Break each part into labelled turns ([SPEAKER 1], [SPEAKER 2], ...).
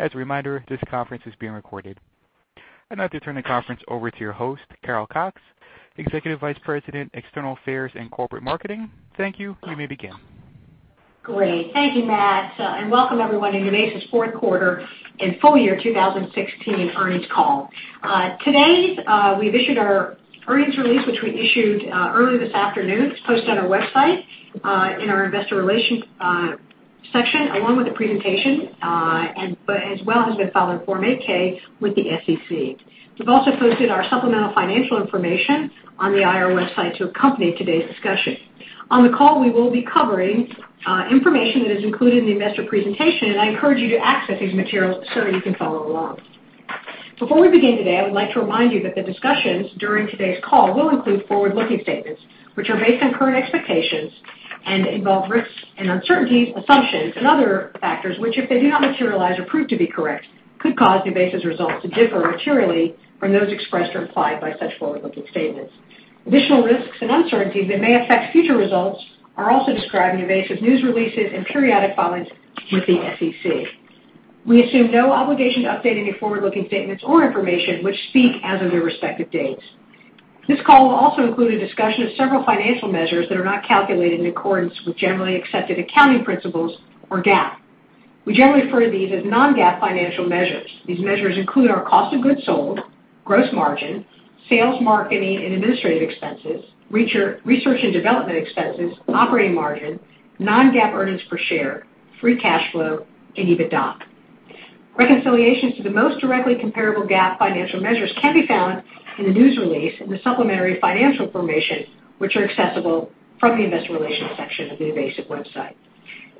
[SPEAKER 1] As a reminder, this conference is being recorded. I'd like to turn the conference over to your host, Carol Cox, Executive Vice President, External Affairs and Corporate Marketing. Thank you. You may begin.
[SPEAKER 2] Great. Thank you, Matt. Welcome, everyone, to NuVasive's fourth quarter and full year 2016 earnings call. Today, we've issued our earnings release, which we issued earlier this afternoon. It's posted on our website in our investor relations section, along with the presentation, as well as has been filed on Form 8K with the SEC. We've also posted our supplemental financial information on the IR website to accompany today's discussion. On the call, we will be covering information that is included in the investor presentation, and I encourage you to access these materials so that you can follow along. Before we begin today, I would like to remind you that the discussions during today's call will include forward-looking statements, which are based on current expectations and involve risks and uncertainties, assumptions, and other factors which, if they do not materialize or prove to be correct, could cause NuVasive's results to differ materially from those expressed or implied by such forward-looking statements. Additional risks and uncertainties that may affect future results are also described in NuVasive's news releases and periodic filings with the SEC. We assume no obligation to update any forward-looking statements or information which speak as of their respective dates. This call will also include a discussion of several financial measures that are not calculated in accordance with generally accepted accounting principles or GAAP. We generally refer to these as non-GAAP financial measures. These measures include our cost of goods sold, gross margin, sales margin, and administrative expenses, research and development expenses, operating margin, non-GAAP earnings per share, free cash flow, and EBITDA. Reconciliations to the most directly comparable GAAP financial measures can be found in the news release and the supplementary financial information, which are accessible from the investor relations section of the NuVasive website.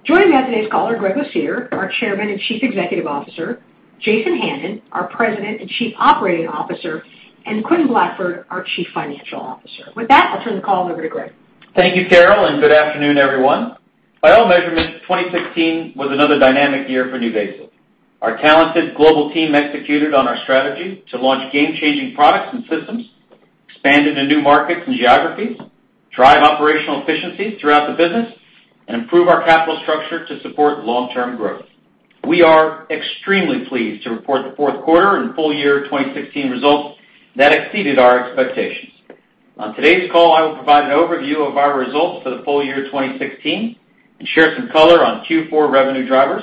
[SPEAKER 2] Joining me on today's call are Greg Lucier, our Chairman and Chief Executive Officer, Jason Hannon, our President and Chief Operating Officer, and Quentin Blackford, our Chief Financial Officer. With that, I'll turn the call over to Greg.
[SPEAKER 3] Thank you, Carol, and good afternoon, everyone. By all measurements, 2016 was another dynamic year for NuVasive. Our talented global team executed on our strategy to launch game-changing products and systems, expand into new markets and geographies, drive operational efficiencies throughout the business, and improve our capital structure to support long-term growth. We are extremely pleased to report the fourth quarter and full year 2016 results that exceeded our expectations. On today's call, I will provide an overview of our results for the full year 2016 and share some color on Q4 revenue drivers.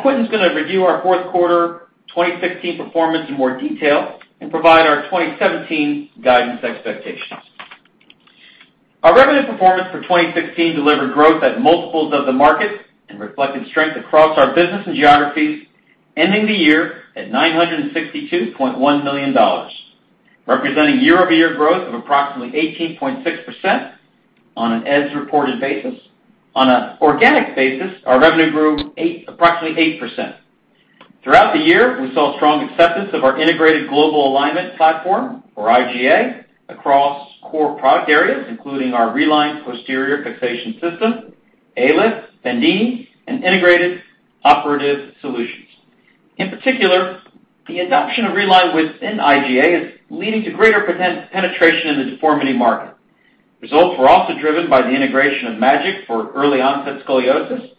[SPEAKER 3] Quentin's going to review our fourth quarter 2016 performance in more detail and provide our 2017 guidance expectations. Our revenue performance for 2016 delivered growth at multiples of the market and reflected strength across our business and geographies, ending the year at $962.1 million, representing year-over-year growth of approximately 18.6 percent on an as-reported basis. On an organic basis, our revenue grew approximately 8 percent. Throughout the year, we saw strong acceptance of our Integrated Global Alignment platform, or IgA, across core product areas, including our RELINE posterior fixation system, ALIF, FENDI, and integrated operative solutions. In particular, the adoption of RELINE within IgA is leading to greater penetration in the deformity market. Results were also driven by the integration of MAGIC for early-onset scoliosis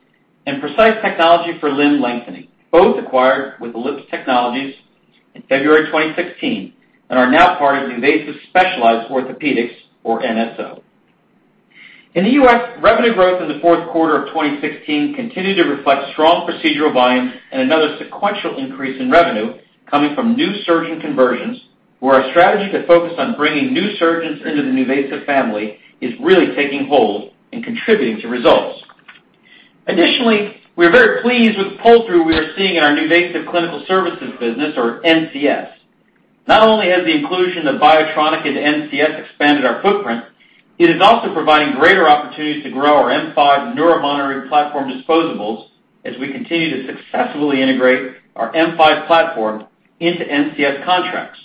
[SPEAKER 3] and PRECICE technology for limb lengthening, both acquired with Ellipse Technologies in February 2016 and are now part of NuVasive Specialized Orthopedics, or NSO. In the U.S., revenue growth in the fourth quarter of 2016 continued to reflect strong procedural volumes and another sequential increase in revenue coming from new surgeon conversions, where our strategy to focus on bringing new surgeons into the NuVasive family is really taking hold and contributing to results. Additionally, we are very pleased with the pull-through we are seeing in our NuVasive Clinical Services business, or NCS. Not only has the inclusion of Biotronic Neuro Network into NCS expanded our footprint, it is also providing greater opportunities to grow our M5 neuromonitoring platform disposables as we continue to successfully integrate our M5 platform into NCS contracts,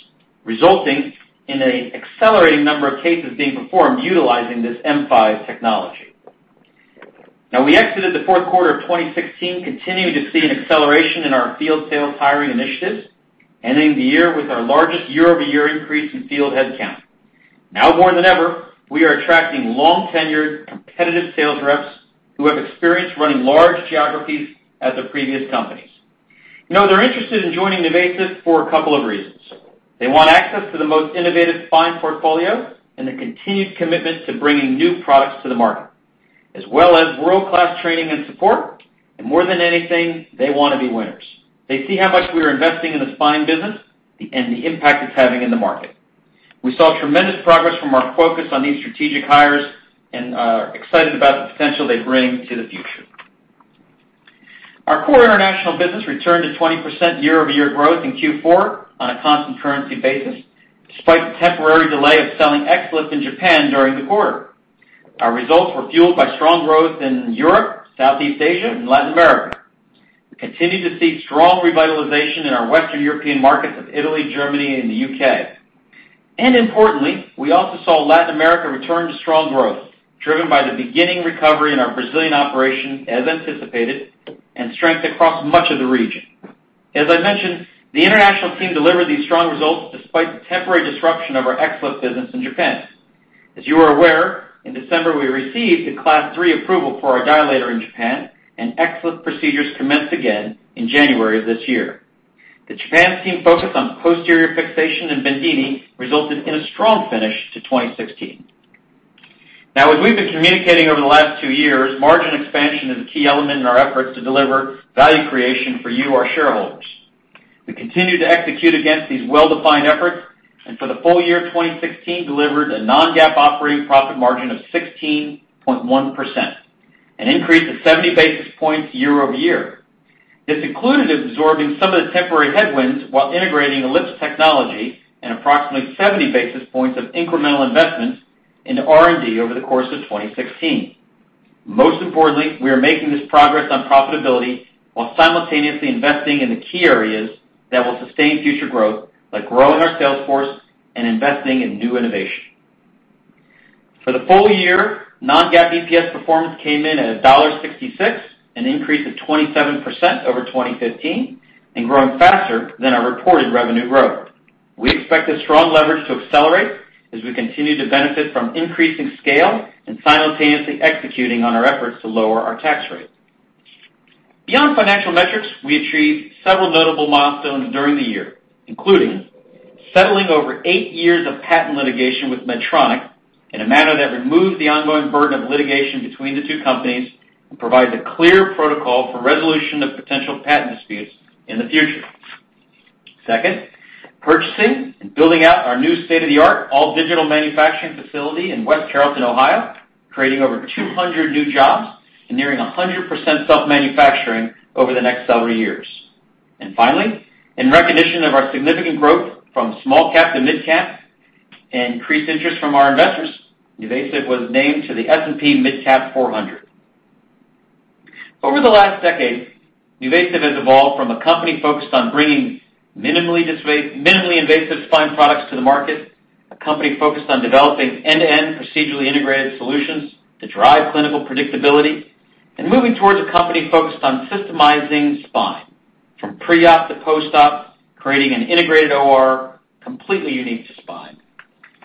[SPEAKER 3] resulting in an accelerating number of cases being performed utilizing this M5 technology. Now, we exited the fourth quarter of 2016, continuing to see an acceleration in our field sales hiring initiatives, ending the year with our largest year-over-year increase in field headcount. Now more than ever, we are attracting long-tenured, competitive sales reps who have experience running large geographies at the previous companies. They're interested in joining NuVasive for a couple of reasons. They want access to the most innovative spine portfolio and the continued commitment to bringing new products to the market, as well as world-class training and support. More than anything, they want to be winners. They see how much we are investing in the spine business and the impact it's having in the market. We saw tremendous progress from our focus on these strategic hires and are excited about the potential they bring to the future. Our core international business returned to 20 percent year-over-year growth in Q4 on a constant currency basis, despite the temporary delay of selling XLIF in Japan during the quarter. Our results were fueled by strong growth in Europe, Southeast Asia, and Latin America. We continue to see strong revitalization in our Western European markets of Italy, Germany, and the U.K. Importantly, we also saw Latin America return to strong growth, driven by the beginning recovery in our Brazilian operations, as anticipated, and strength across much of the region. As I mentioned, the international team delivered these strong results despite the temporary disruption of our XLIF business in Japan. As you are aware, in December, we received the Class 3 approval for our dilator in Japan, and XLIF procedures commenced again in January of this year. The Japan team focused on posterior fixation and Bendini resulted in a strong finish to 2016. Now, as we've been communicating over the last two years, margin expansion is a key element in our efforts to deliver value creation for you, our shareholders. We continue to execute against these well-defined efforts, and for the full year 2016, delivered a non-GAAP operating profit margin of 16.1 percent, an increase of 70 basis points year-over-year. This included absorbing some of the temporary headwinds while integrating Ellipse technology and approximately 70 basis points of incremental investment into R&D over the course of 2016. Most importantly, we are making this progress on profitability while simultaneously investing in the key areas that will sustain future growth, like growing our sales force and investing in new innovation. For the full year, non-GAAP EPS performance came in at $1.66, an increase of 27 percent over 2015, and growing faster than our reported revenue growth. We expect this strong leverage to accelerate as we continue to benefit from increasing scale and simultaneously executing on our efforts to lower our tax rate. Beyond financial metrics, we achieved several notable milestones during the year, including settling over eight years of patent litigation with Medtronic in a manner that removes the ongoing burden of litigation between the two companies and provides a clear protocol for resolution of potential patent disputes in the future. Second, purchasing and building out our new state-of-the-art all-digital manufacturing facility in West Carrollton, Ohio, creating over 200 new jobs and nearing 100 percent self-manufacturing over the next several years. Finally, in recognition of our significant growth from small cap to mid cap and increased interest from our investors, NuVasive was named to the S&P Mid Cap 400. Over the last decade, NuVasive has evolved from a company focused on bringing minimally invasive spine products to the market, a company focused on developing end-to-end procedurally integrated solutions to drive clinical predictability, and moving towards a company focused on systemizing spine, from pre-op to post-op, creating an integrated OR completely unique to spine.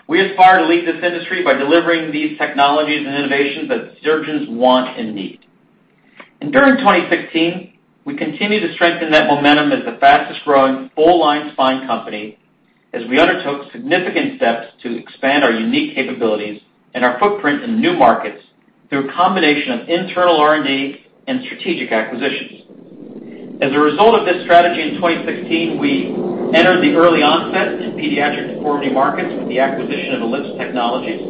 [SPEAKER 3] We aspire to lead this industry by delivering these technologies and innovations that surgeons want and need. During 2016, we continued to strengthen that momentum as the fastest-growing full-line spine company as we undertook significant steps to expand our unique capabilities and our footprint in new markets through a combination of internal R&D and strategic acquisitions. As a result of this strategy in 2016, we entered the early onset in pediatric deformity markets with the acquisition of Ellipse Technologies.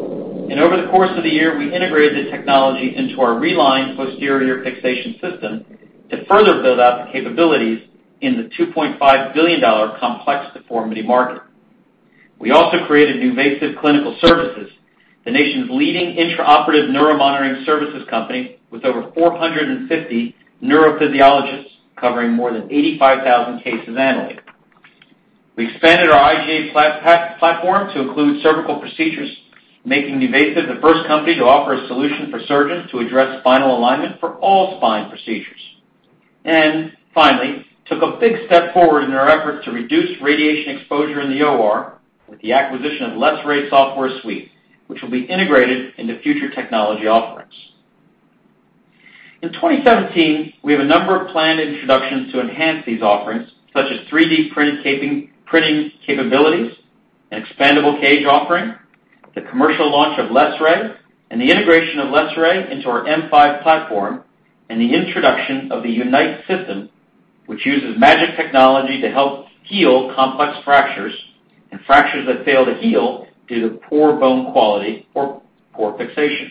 [SPEAKER 3] Over the course of the year, we integrated the technology into our RELINE posterior fixation system to further build out the capabilities in the $2.5 billion complex deformity market. We also created NuVasive Clinical Services, the nation's leading intraoperative neuromonitoring services company with over 450 neurophysiologists covering more than 85,000 cases annually. We expanded our IgA platform to include cervical procedures, making NuVasive the first company to offer a solution for surgeons to address spinal alignment for all spine procedures. Finally, we took a big step forward in our efforts to reduce radiation exposure in the OR with the acquisition of LessRay Software Suite, which will be integrated into future technology offerings. In 2017, we have a number of planned introductions to enhance these offerings, such as 3D printing capabilities, an expandable cage offering, the commercial launch of LessRay, and the integration of LessRay into our M5 platform, and the introduction of the UNITE system, which uses MAGIC technology to help heal complex fractures and fractures that fail to heal due to poor bone quality or poor fixation.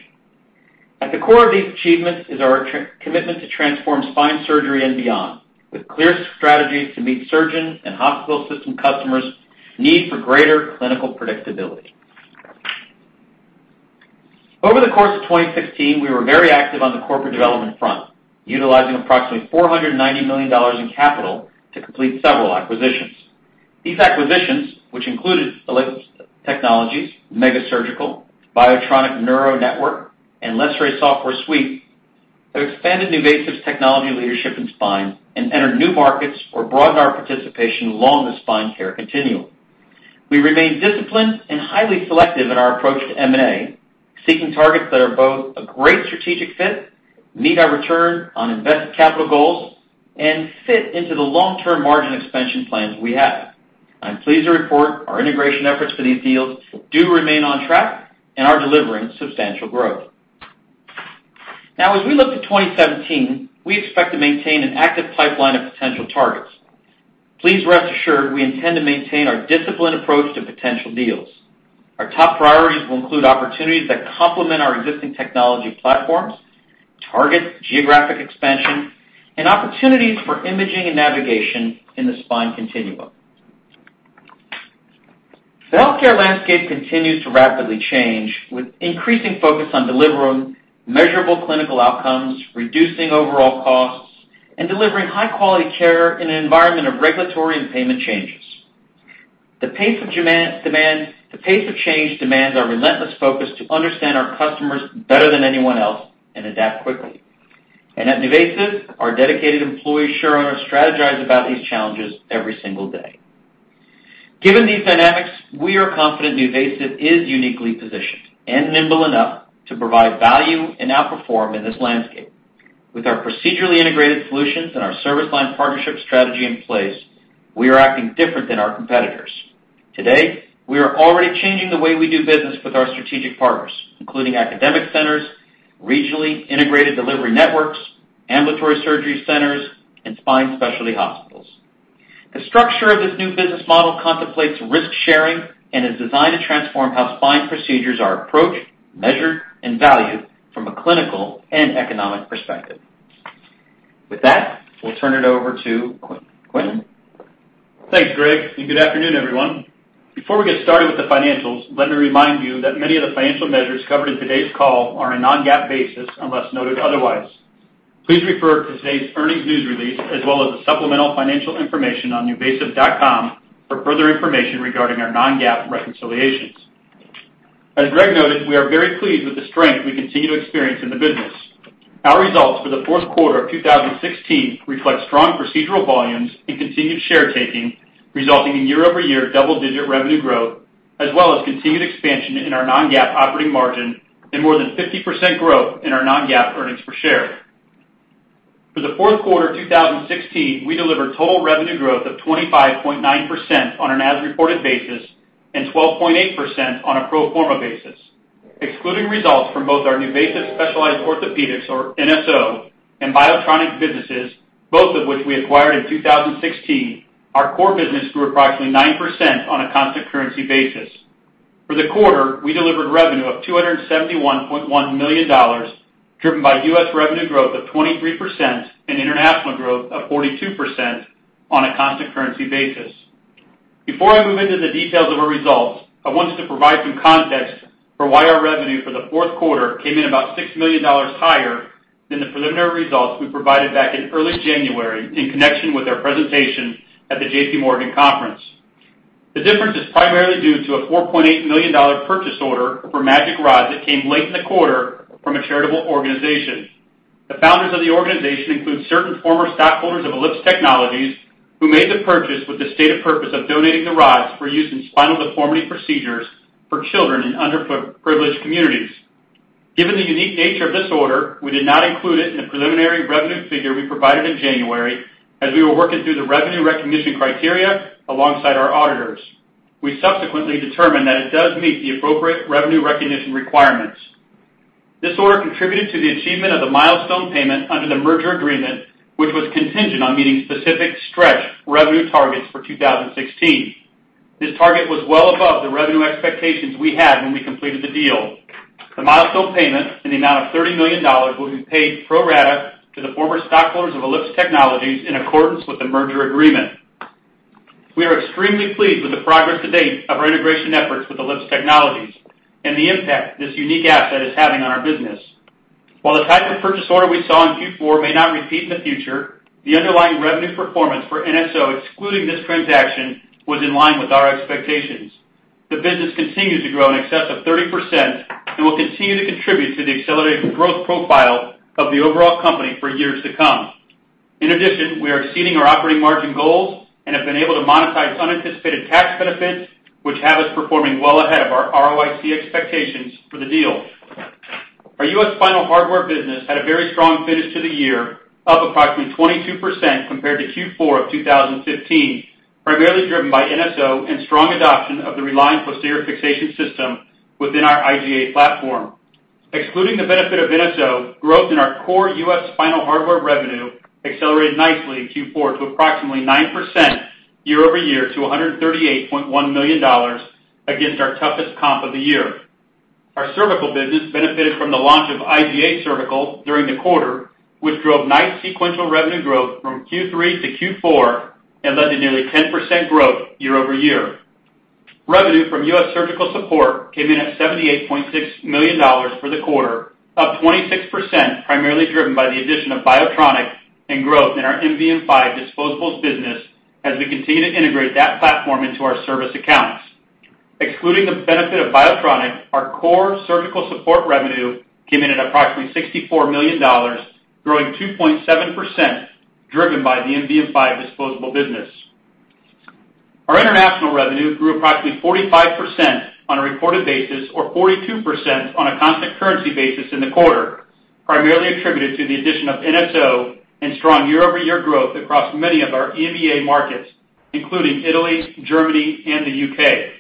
[SPEAKER 3] At the core of these achievements is our commitment to transform spine surgery and beyond, with clear strategies to meet surgeon and hospital system customers' need for greater clinical predictability. Over the course of 2016, we were very active on the corporate development front, utilizing approximately $490 million in capital to complete several acquisitions. These acquisitions, which included Ellipse Technologies, MegaSurgical, Biotronic Neuro Network, and LessRay software suite, have expanded NuVasive's technology leadership in spine and entered new markets or broadened our participation along the spine care continuum. We remain disciplined and highly selective in our approach to M&A, seeking targets that are both a great strategic fit, meet our return on invested capital goals, and fit into the long-term margin expansion plans we have. I'm pleased to report our integration efforts for these deals do remain on track and are delivering substantial growth. Now, as we look to 2017, we expect to maintain an active pipeline of potential targets. Please rest assured we intend to maintain our disciplined approach to potential deals. Our top priorities will include opportunities that complement our existing technology platforms, target geographic expansion, and opportunities for imaging and navigation in the spine continuum. The healthcare landscape continues to rapidly change, with increasing focus on delivering measurable clinical outcomes, reducing overall costs, and delivering high-quality care in an environment of regulatory and payment changes. The pace of change demands our relentless focus to understand our customers better than anyone else and adapt quickly. At NuVasive, our dedicated employees and shareholders strategize about these challenges every single day. Given these dynamics, we are confident NuVasive is uniquely positioned and nimble enough to provide value and outperform in this landscape. With our procedurally integrated solutions and our service line partnership strategy in place, we are acting different than our competitors. Today, we are already changing the way we do business with our strategic partners, including academic centers, regionally integrated delivery networks, ambulatory surgery centers, and spine specialty hospitals. The structure of this new business model contemplates risk sharing and is designed to transform how spine procedures are approached, measured, and valued from a clinical and economic perspective. With that, we'll turn it over to Quinn.
[SPEAKER 4] Thanks, Greg. And good afternoon, everyone. Before we get started with the financials, let me remind you that many of the financial measures covered in today's call are on a non-GAAP basis unless noted otherwise. Please refer to today's earnings news release as well as the supplemental financial information on nuvasive.com for further information regarding our non-GAAP reconciliations. As Greg noted, we are very pleased with the strength we continue to experience in the business. Our results for the fourth quarter of 2016 reflect strong procedural volumes and continued share taking, resulting in year-over-year double-digit revenue growth, as well as continued expansion in our non-GAAP operating margin and more than 50 percent growth in our non-GAAP earnings per share. For the fourth quarter of 2016, we delivered total revenue growth of 25.9 percent on an as-reported basis and 12.8 percent on a pro forma basis. Excluding results from both our NuVasive Specialized Orthopedics, or NSO, and Biotronic businesses, both of which we acquired in 2016, our core business grew approximately 9 percent on a constant currency basis. For the quarter, we delivered revenue of $271.1 million, driven by U.S. revenue growth of 23 percent and international growth of 42 percent on a constant currency basis. Before I move into the details of our results, I wanted to provide some context for why our revenue for the fourth quarter came in about $6 million higher than the preliminary results we provided back in early January in connection with our presentation at the J.P. Morgan Conference. The difference is primarily due to a $4.8 million purchase order for MAGIC Ride that came late in the quarter from a charitable organization. The founders of the organization include certain former stockholders of Ellipse Technologies who made the purchase with the stated purpose of donating the rides for use in spinal deformity procedures for children in underprivileged communities. Given the unique nature of this order, we did not include it in the preliminary revenue figure we provided in January as we were working through the revenue recognition criteria alongside our auditors. We subsequently determined that it does meet the appropriate revenue recognition requirements. This order contributed to the achievement of the milestone payment under the merger agreement, which was contingent on meeting specific stretch revenue targets for 2016. This target was well above the revenue expectations we had when we completed the deal. The milestone payment in the amount of $30 million will be paid pro rata to the former stockholders of Ellipse Technologies in accordance with the merger agreement. We are extremely pleased with the progress to date of our integration efforts with Ellipse Technologies and the impact this unique asset is having on our business. While the type of purchase order we saw in Q4 may not repeat in the future, the underlying revenue performance for NSO, excluding this transaction, was in line with our expectations. The business continues to grow in excess of 30 percent and will continue to contribute to the accelerated growth profile of the overall company for years to come. In addition, we are exceeding our operating margin goals and have been able to monetize unanticipated tax benefits, which have us performing well ahead of our ROIC expectations for the deal. Our U.S. spinal hardware business had a very strong finish to the year, up approximately 22 percent compared to Q4 of 2015, primarily driven by NSO and strong adoption of the RELINE posterior fixation system within our IgA platform. Excluding the benefit of NSO, growth in our core U.S. spinal hardware revenue accelerated nicely in Q4 to approximately 9 percent year-over-year to $138.1 million against our toughest comp of the year. Our cervical business benefited from the launch of IgA Cervical during the quarter, which drove nice sequential revenue growth from Q3 to Q4 and led to nearly 10 percent growth year-over-year. Revenue from U.S. surgical support came in at $78.6 million for the quarter, up 26 percent, primarily driven by the addition of Biotronic and growth in our M5 disposables business as we continue to integrate that platform into our service accounts. Excluding the benefit of Biotronic, our core surgical support revenue came in at approximately $64 million, growing 2.7 percent, driven by the M5 disposable business. Our international revenue grew approximately 45 percent on a reported basis or 42 percent on a constant currency basis in the quarter, primarily attributed to the addition of NSO and strong year-over-year growth across many of our EMEA markets, including Italy, Germany, and the U.K.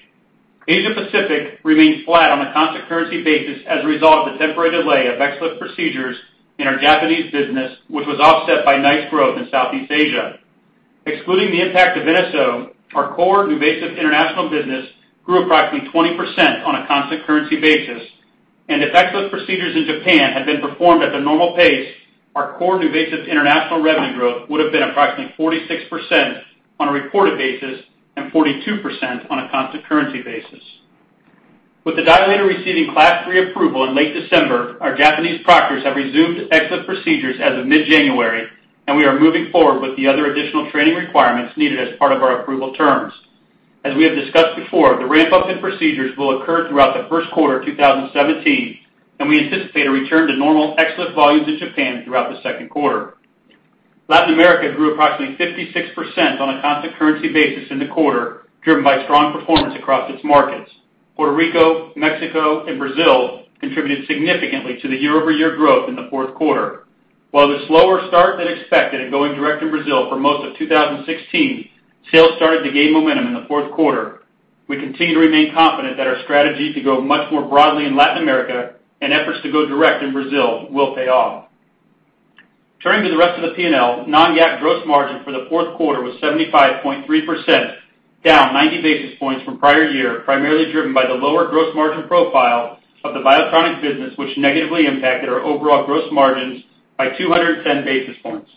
[SPEAKER 4] Asia-Pacific remained flat on a constant currency basis as a result of the temporary delay of XLIF procedures in our Japanese business, which was offset by nice growth in Southeast Asia. Excluding the impact of NSO, our core NuVasive international business grew approximately 20 percenton a constant currency basis. If XLIF procedures in Japan had been performed at the normal pace, our core NuVasive international revenue growth would have been approximately 46 percent on a reported basis and 42 percent on a constant currency basis. With the dilator receiving Class 3 approval in late December, our Japanese proctors have resumed XLIF procedures as of mid-January, and we are moving forward with the other additional training requirements needed as part of our approval terms. As we have discussed before, the ramp-up in procedures will occur throughout the first quarter of 2017, and we anticipate a return to normal excess volumes in Japan throughout the second quarter. Latin America grew approximately 56 percent on a constant currency basis in the quarter, driven by strong performance across its markets. Puerto Rico, Mexico, and Brazil contributed significantly to the year-over-year growth in the fourth quarter. While the slower start than expected and going direct in Brazil for most of 2016, sales started to gain momentum in the fourth quarter. We continue to remain confident that our strategy to go much more broadly in Latin America and efforts to go direct in Brazil will pay off. Turning to the rest of the P&L, non-GAAP gross margin for the fourth quarter was 75.3 percent, down 90 basis points from prior year, primarily driven by the lower gross margin profile of the Biotronic business, which negatively impacted our overall gross margins by 210 basis points.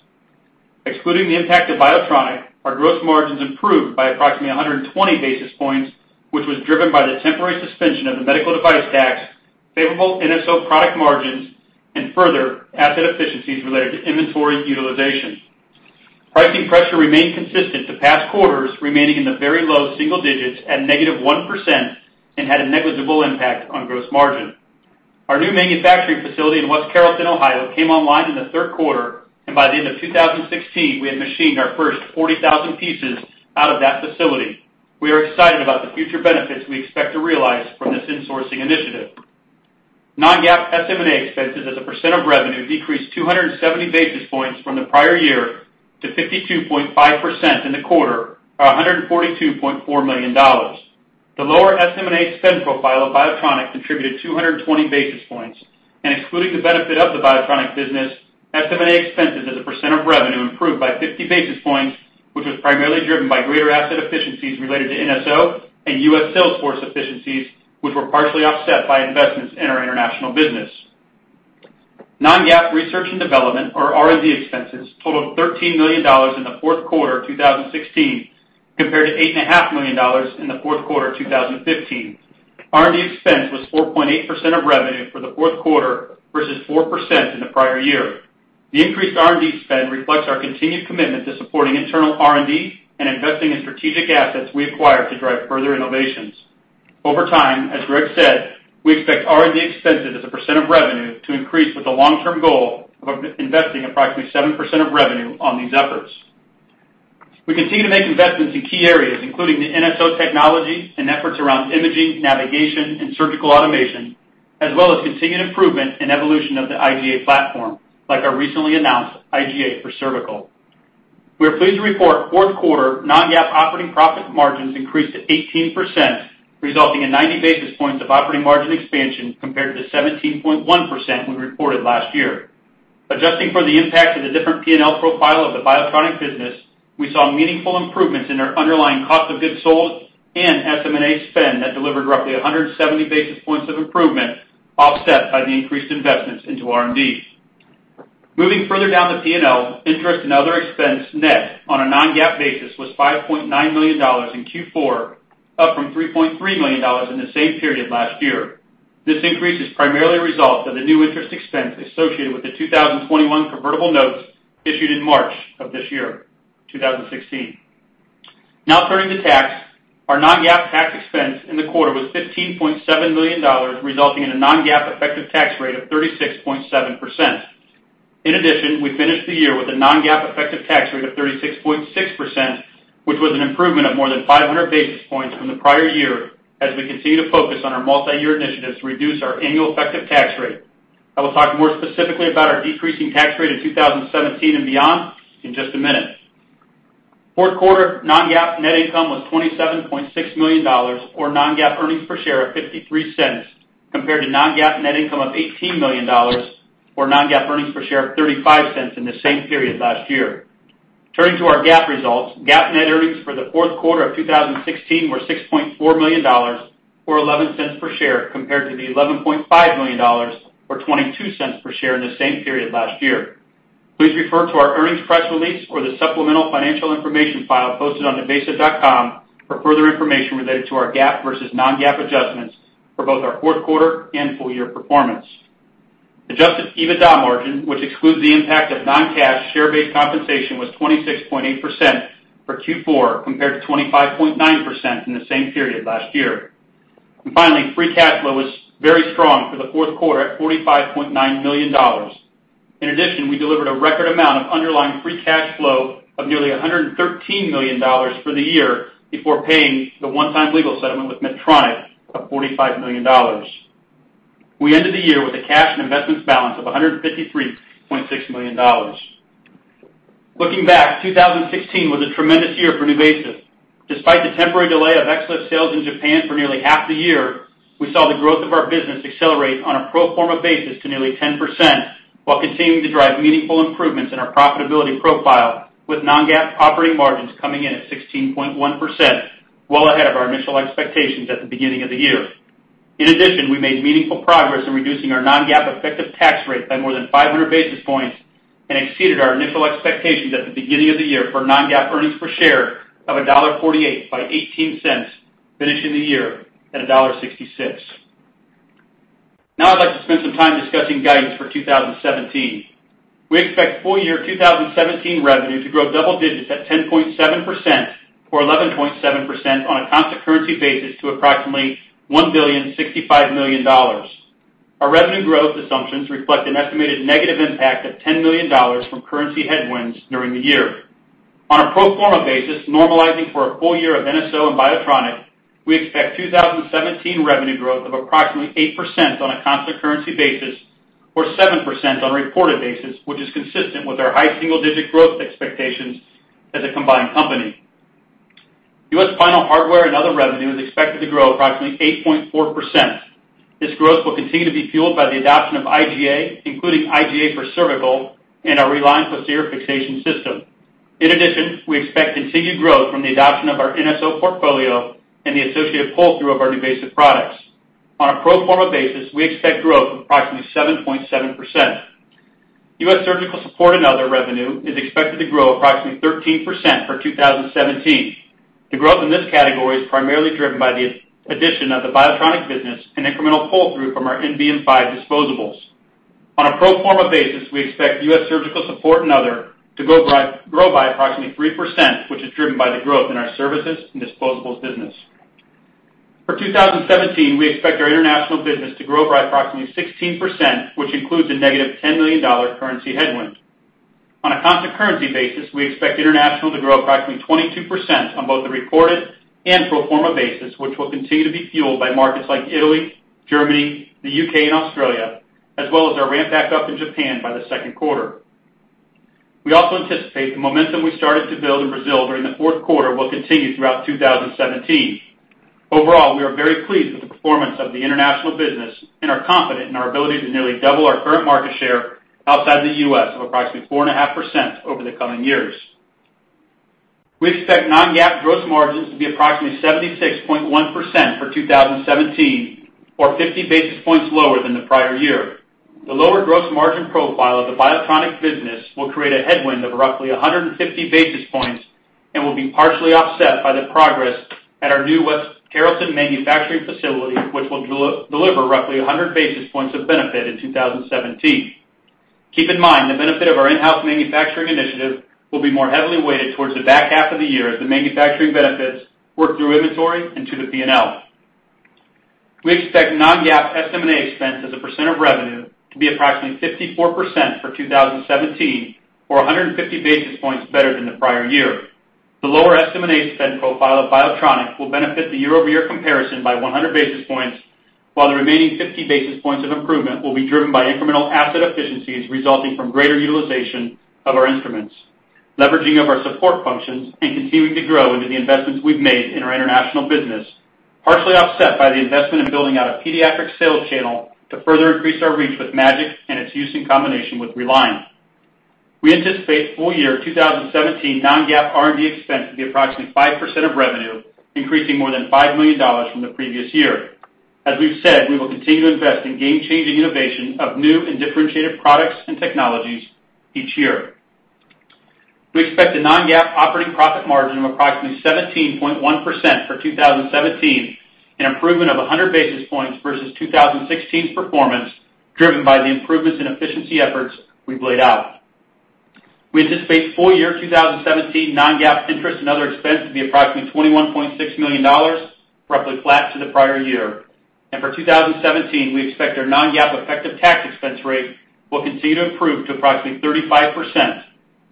[SPEAKER 4] Excluding the impact of Biotronic, our gross margins improved by approximately 120 basis points, which was driven by the temporary suspension of the medical device tax, favorable NSO product margins, and further asset efficiencies related to inventory utilization. Pricing pressure remained consistent the past quarters, remaining in the very low single digits at negative 1 percent and had a negligible impact on gross margin. Our new manufacturing facility in West Carrollton, Ohio, came online in the third quarter, and by the end of 2016, we had machined our first 40,000 pieces out of that facility. We are excited about the future benefits we expect to realize from this insourcing initiative. Non-GAAP SM&A expenses as a percent of revenue decreased 270 basis points from the prior year to 52.5 percent in the quarter, or $142.4 million. The lower SM&A spend profile of Biotronic contributed 220 basis points, and excluding the benefit of the Biotronic business, SM&A expenses as a percent of revenue improved by 50 basis points, which was primarily driven by greater asset efficiencies related to NSO and U.S. Salesforce efficiencies, which were partially offset by investments in our international business. Non-GAAP research and development, or R&D expenses, totaled $13 million in the fourth quarter of 2016 compared to $8.5 million in the fourth quarter of 2015. R&D expense was 4.8 percent of revenue for the fourth quarter versus 4 percent in the prior year. The increased R&D spend reflects our continued commitment to supporting internal R&D and investing in strategic assets we acquired to drive further innovations. Over time, as Greg said, we expect R&D expenses as a percent of revenue to increase with the long-term goal of investing approximately 7 percent of revenue on these efforts. We continue to make investments in key areas, including the NSO technology and efforts around imaging, navigation, and surgical automation, as well as continued improvement and evolution of the IgA platform, like our recently announced IgA for cervical. We are pleased to report fourth quarter non-GAAP operating profit margins increased to 18 percent, resulting in 90 basis points of operating margin expansion compared to the 17.1 percent we reported last year. Adjusting for the impact of the different P&L profile of the Biotronic business, we saw meaningful improvements in our underlying cost of goods sold and SM&A spend that delivered roughly 170 basis points of improvement, offset by the increased investments into R&D. Moving further down the P&L, interest and other expense net on a non-GAAP basis was $5.9 million in Q4, up from $3.3 million in the same period last year. This increase is primarily a result of the new interest expense associated with the 2021 convertible notes issued in March of this year, 2016. Now, turning to tax, our non-GAAP tax expense in the quarter was $15.7 million, resulting in a non-GAAP effective tax rate of 36.7 percent. In addition, we finished the year with a non-GAAP effective tax rate of 36.6 percent, which was an improvement of more than 500 basis points from the prior year as we continue to focus on our multi-year initiatives to reduce our annual effective tax rate. I will talk more specifically about our decreasing tax rate in 2017 and beyond in just a minute. Fourth quarter non-GAAP net income was $27.6 million, or non-GAAP earnings per share of $0.53, compared to non-GAAP net income of $18 million, or non-GAAP earnings per share of $0.35 in the same period last year. Turning to our GAAP results, GAAP net earnings for the fourth quarter of 2016 were $6.4 million, or $0.11 per share, compared to the $11.5 million, or $0.22 per share in the same period last year. Please refer to our earnings press release or the supplemental financial information file posted on nuvasive.com for further information related to our GAAP versus non-GAAP adjustments for both our fourth quarter and full-year performance. Adjusted EBITDA margin, which excludes the impact of non-cash share-based compensation, was 26.8 percent for Q4 compared to 25.9 percent in the same period last year. Free cash flow was very strong for the fourth quarter at $45.9 million. In addition, we delivered a record amount of underlying free cash flow of nearly $113 million for the year before paying the one-time legal settlement with Medtronic of $45 million. We ended the year with a cash and investments balance of $153.6 million. Looking back, 2016 was a tremendous year for NuVasive. Despite the temporary delay of XLIF sales in Japan for nearly half the year, we saw the growth of our business accelerate on a pro forma basis to nearly 10 percent while continuing to drive meaningful improvements in our profitability profile, with non-GAAP operating margins coming in at 16.1 percent, well ahead of our initial expectations at the beginning of the year. In addition, we made meaningful progress in reducing our non-GAAP effective tax rate by more than 500 basis points and exceeded our initial expectations at the beginning of the year for non-GAAP earnings per share of $1.48 by 18 cents, finishing the year at $1.66. Now, I'd like to spend some time discussing guidance for 2017. We expect full-year 2017 revenue to grow double digits at 10.7 percent or 11.7 percent on a constant currency basis to approximately $1.065 billion. Our revenue growth assumptions reflect an estimated negative impact of $10 million from currency headwinds during the year. On a pro forma basis, normalizing for a full year of NSO and Biotronic, we expect 2017 revenue growth of approximately 8 percent on a constant currency basis or 7 percent on a reported basis, which is consistent with our high single-digit growth expectations as a combined company. U.S. spinal hardware and other revenue is expected to grow approximately 8.4 percent. This growth will continue to be fueled by the adoption of IgA, including IgA for cervical and our RELINE posterior fixation system. In addition, we expect continued growth from the adoption of our NSO portfolio and the associated pull-through of our NuVasive products. On a pro forma basis, we expect growth of approximately 7.7 percent. U.S. surgical support and other revenue is expected to grow approximately 13 percent for 2017. The growth in this category is primarily driven by the addition of the Biotronic business and incremental pull-through from our M5 disposables. On a pro forma basis, we expect U.S. surgical support and other to grow by approximately 3 percent, which is driven by the growth in our services and disposables business. For 2017, we expect our international business to grow by approximately 16 percent, which includes a negative $10 million currency headwind. On a constant currency basis, we expect international to grow approximately 22 percent on both the recorded and pro forma basis, which will continue to be fueled by markets like Italy, Germany, the U.K., and Australia, as well as our ramp back up in Japan by the second quarter. We also anticipate the momentum we started to build in Brazil during the fourth quarter will continue throughout 2017. Overall, we are very pleased with the performance of the international business and are confident in our ability to nearly double our current market share outside the U.S. of approximately 4.5 percent over the coming years. We expect non-GAAP gross margins to be approximately 76.1 percent for 2017, or 50 basis points lower than the prior year. The lower gross margin profile of the Biotronic business will create a headwind of roughly 150 basis points and will be partially offset by the progress at our new West Carrollton manufacturing facility, which will deliver roughly 100 basis points of benefit in 2017. Keep in mind, the benefit of our in-house manufacturing initiative will be more heavily weighted towards the back half of the year as the manufacturing benefits work through inventory and to the P&L. We expect non-GAAP SM&A expense as a percent of revenue to be approximately 54 percent for 2017, or 150 basis points better than the prior year. The lower SM&A spend profile of Biotronic will benefit the year-over-year comparison by 100 basis points, while the remaining 50 basis points of improvement will be driven by incremental asset efficiencies resulting from greater utilization of our instruments, leveraging of our support functions, and continuing to grow into the investments we've made in our international business, partially offset by the investment in building out a pediatric sales channel to further increase our reach with MAGIC and its use in combination with RELINE. We anticipate full-year 2017 non-GAAP R&D expense to be approximately 5 percent of revenue, increasing more than $5 million from the previous year. As we've said, we will continue to invest in game-changing innovation of new and differentiated products and technologies each year. We expect a non-GAAP operating profit margin of approximately 17.1 percent for 2017 and improvement of 100 basis points versus 2016's performance, driven by the improvements in efficiency efforts we've laid out. We anticipate full-year 2017 non-GAAP interest in other expense to be approximately $21.6 million, roughly flat to the prior year. For 2017, we expect our non-GAAP effective tax expense rate will continue to improve to approximately 35 percent.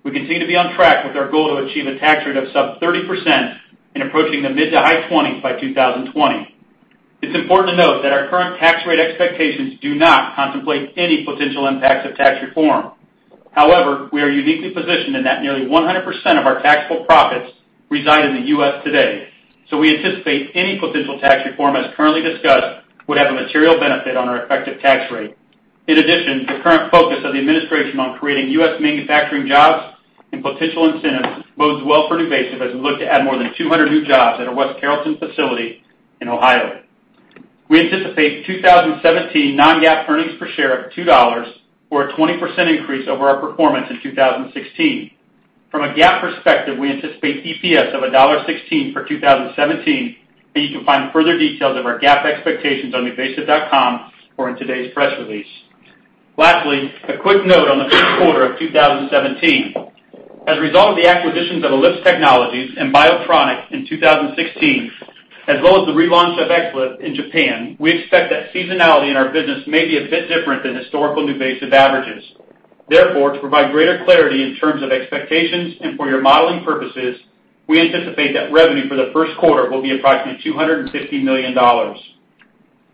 [SPEAKER 4] We continue to be on track with our goal to achieve a tax rate of sub 30 percent and approaching the mid to high 20s by 2020. It's important to note that our current tax rate expectations do not contemplate any potential impacts of tax reform. However, we are uniquely positioned in that nearly 100 percent of our taxable profits reside in the U.S. today, so we anticipate any potential tax reform, as currently discussed, would have a material benefit on our effective tax rate. In addition, the current focus of the administration on creating U.S. manufacturing jobs and potential incentives bodes well for NuVasive as we look to add more than 200 new jobs at our West Carrollton facility in Ohio. We anticipate 2017 non-GAAP earnings per share of $2, or a 20 percent increase over our performance in 2016. From a GAAP perspective, we anticipate EPS of $1.16 for 2017, and you can find further details of our GAAP expectations on nuvasive.com or in today's press release. Lastly, a quick note on the fourth quarter of 2017. As a result of the acquisitions of Ellipse Technologies and Biotronic in 2016, as well as the relaunch of XLIF in Japan, we expect that seasonality in our business may be a bit different than historical NuVasive averages. Therefore, to provide greater clarity in terms of expectations and for your modeling purposes, we anticipate that revenue for the first quarter will be approximately $250 million.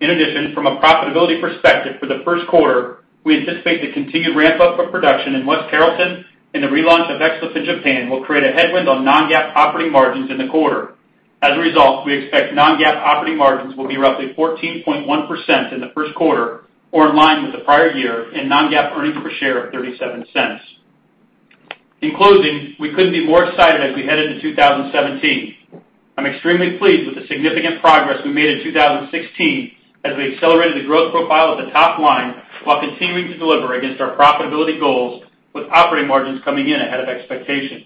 [SPEAKER 4] In addition, from a profitability perspective for the first quarter, we anticipate the continued ramp-up of production in West Carrollton and the relaunch of XLIF in Japan will create a headwind on non-GAAP operating margins in the quarter. As a result, we expect non-GAAP operating margins will be roughly 14.1 percent in the first quarter, or in line with the prior year, and non-GAAP earnings per share of $0.37. In closing, we couldn't be more excited as we head into 2017. I'm extremely pleased with the significant progress we made in 2016 as we accelerated the growth profile of the top line while continuing to deliver against our profitability goals, with operating margins coming in ahead of expectations.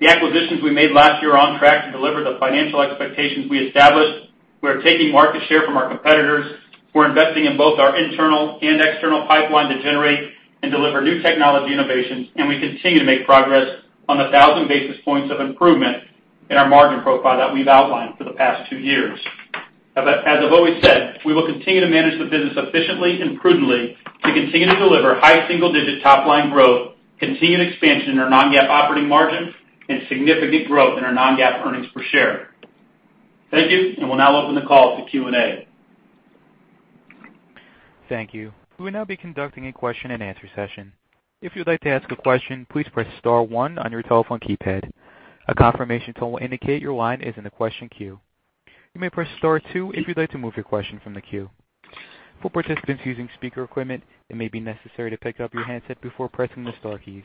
[SPEAKER 4] The acquisitions we made last year are on track to deliver the financial expectations we established. We are taking market share from our competitors. We're investing in both our internal and external pipeline to generate and deliver new technology innovations, and we continue to make progress on the 1,000 basis points of improvement in our margin profile that we've outlined for the past two years. As I've always said, we will continue to manage the business efficiently and prudently to continue to deliver high single-digit top-line growth, continued expansion in our non-GAAP operating margins, and significant growth in our non-GAAP earnings per share. Thank you, and we'll now open the call to Q&A.
[SPEAKER 1] Thank you. We will now be conducting a question-and-answer session. If you'd like to ask a question, please press Star 1 on your telephone keypad. A confirmation tone will indicate your line is in the question queue. You may press Star 2 if you'd like to move your question from the queue. For participants using speaker equipment, it may be necessary to pick up your handset before pressing the Star keys.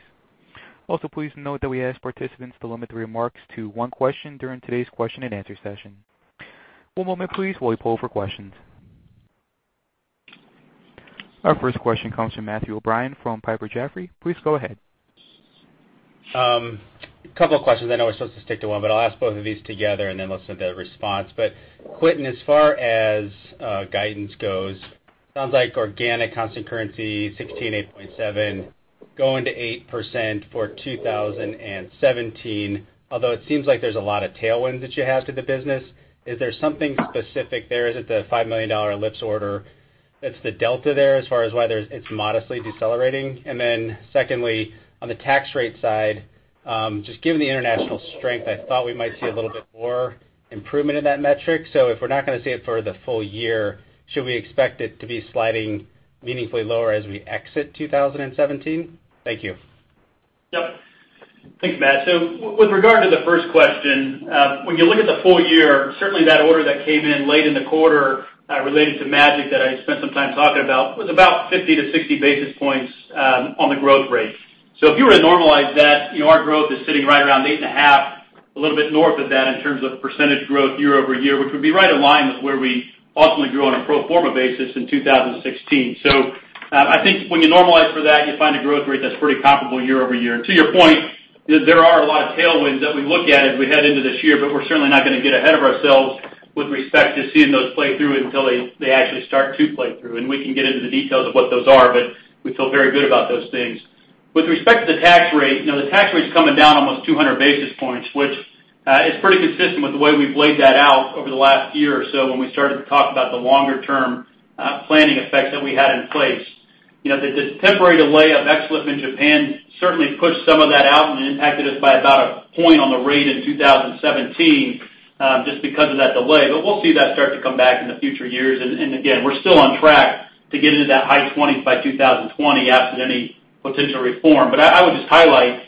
[SPEAKER 1] Also, please note that we ask participants to limit their remarks to one question during today's question-and-answer session. One moment, please, while we pull for questions. Our first question comes from Matthew O'Brien from Piper Jaffray. Please go ahead.
[SPEAKER 5] A couple of questions. I know we're supposed to stick to one, but I'll ask both of these together and then listen to the response. But Quentin, as far as guidance goes, it sounds like organic constant currency 16.87 percent going to 8 percent for 2017, although it seems like there's a lot of tailwinds that you have to the business. Is there something specific there? Is it the $5 million Ellipse order that's the delta there as far as why it's modestly decelerating? And then secondly, on the tax rate side, just given the international strength, I thought we might see a little bit more improvement in that metric. So if we're not going to see it for the full year, should we expect it to be sliding meaningfully lower as we exit 2017? Thank you.
[SPEAKER 4] Yep. Thanks, Matt. With regard to the first question, when you look at the full year, certainly that order that came in late in the quarter related to MAGIC that I spent some time talking about was about 50-60 basis points on the growth rate. If you were to normalize that, our growth is sitting right around 8.5 percent, a little bit north of that in terms of percentage growth year over year, which would be right in line with where we ultimately grew on a pro forma basis in 2016. I think when you normalize for that, you find a growth rate that is pretty comparable year over year. To your point, there are a lot of tailwinds that we look at as we head into this year, but we're certainly not going to get ahead of ourselves with respect to seeing those play through until they actually start to play through. We can get into the details of what those are, but we feel very good about those things. With respect to the tax rate, the tax rate's coming down almost 200 basis points, which is pretty consistent with the way we've laid that out over the last year or so when we started to talk about the longer-term planning effects that we had in place. The temporary delay of XLIF in Japan certainly pushed some of that out and impacted us by about a point on the rate in 2017 just because of that delay. We'll see that start to come back in the future years. Again, we're still on track to get into that high 20 percentby 2020 after any potential reform. I would just highlight,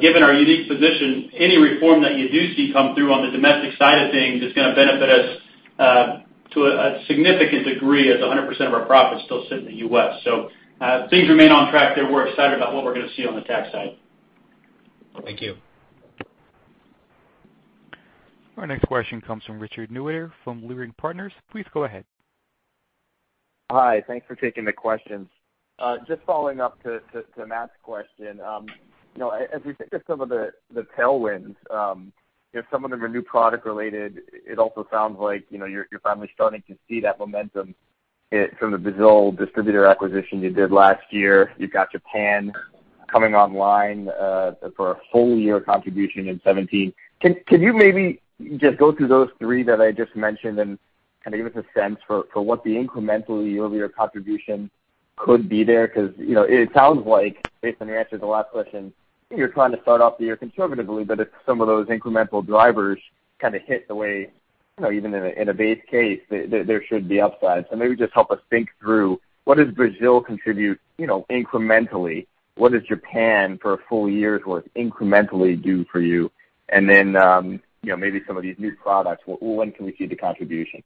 [SPEAKER 4] given our unique position, any reform that you do see come through on the domestic side of things is going to benefit us to a significant degree as 100 percent of our profits still sit in the U.S. Things remain on track there. We're excited about what we're going to see on the tax side.
[SPEAKER 5] Thank you.
[SPEAKER 1] Our next question comes from Richard Neuwir from Luring Partners. Please go ahead.
[SPEAKER 6] Hi. Thanks for taking the questions. Just following up to Matt's question, as we think of some of the tailwinds, if some of them are new product-related, it also sounds like you're finally starting to see that momentum from the Brazil distributor acquisition you did last year. You've got Japan coming online for a full-year contribution in 2017. Can you maybe just go through those three that I just mentioned and kind of give us a sense for what the incremental year-over-year contribution could be there? Because it sounds like, based on your answer to the last question, you're trying to start off the year conservatively, but if some of those incremental drivers kind of hit the way, even in a base case, there should be upside. Maybe just help us think through, what does Brazil contribute incrementally? What does Japan for a full year's worth incrementally do for you? Maybe some of these new products, when can we see the contribution?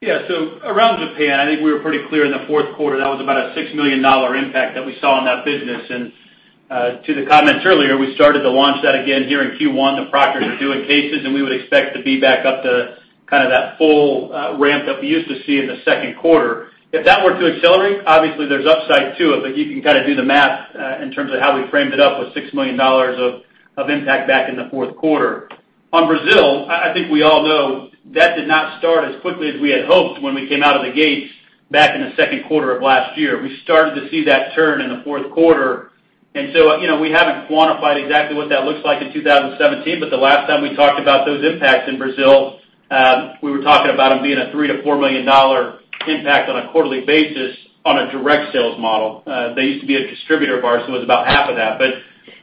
[SPEAKER 4] Yeah. Around Japan, I think we were pretty clear in the fourth quarter. That was about a $6 million impact that we saw in that business. To the comments earlier, we started to launch that again here in Q1. The proctors are doing cases, and we would expect to be back up to kind of that full ramp that we used to see in the second quarter. If that were to accelerate, obviously there is upside to it, but you can kind of do the math in terms of how we framed it up with $6 million of impact back in the fourth quarter. On Brazil, I think we all know that did not start as quickly as we had hoped when we came out of the gates back in the second quarter of last year. We started to see that turn in the fourth quarter. We have not quantified exactly what that looks like in 2017, but the last time we talked about those impacts in Brazil, we were talking about them being a $3-$4 million impact on a quarterly basis on a direct sales model. They used to be a distributor of ours, so it was about half of that. That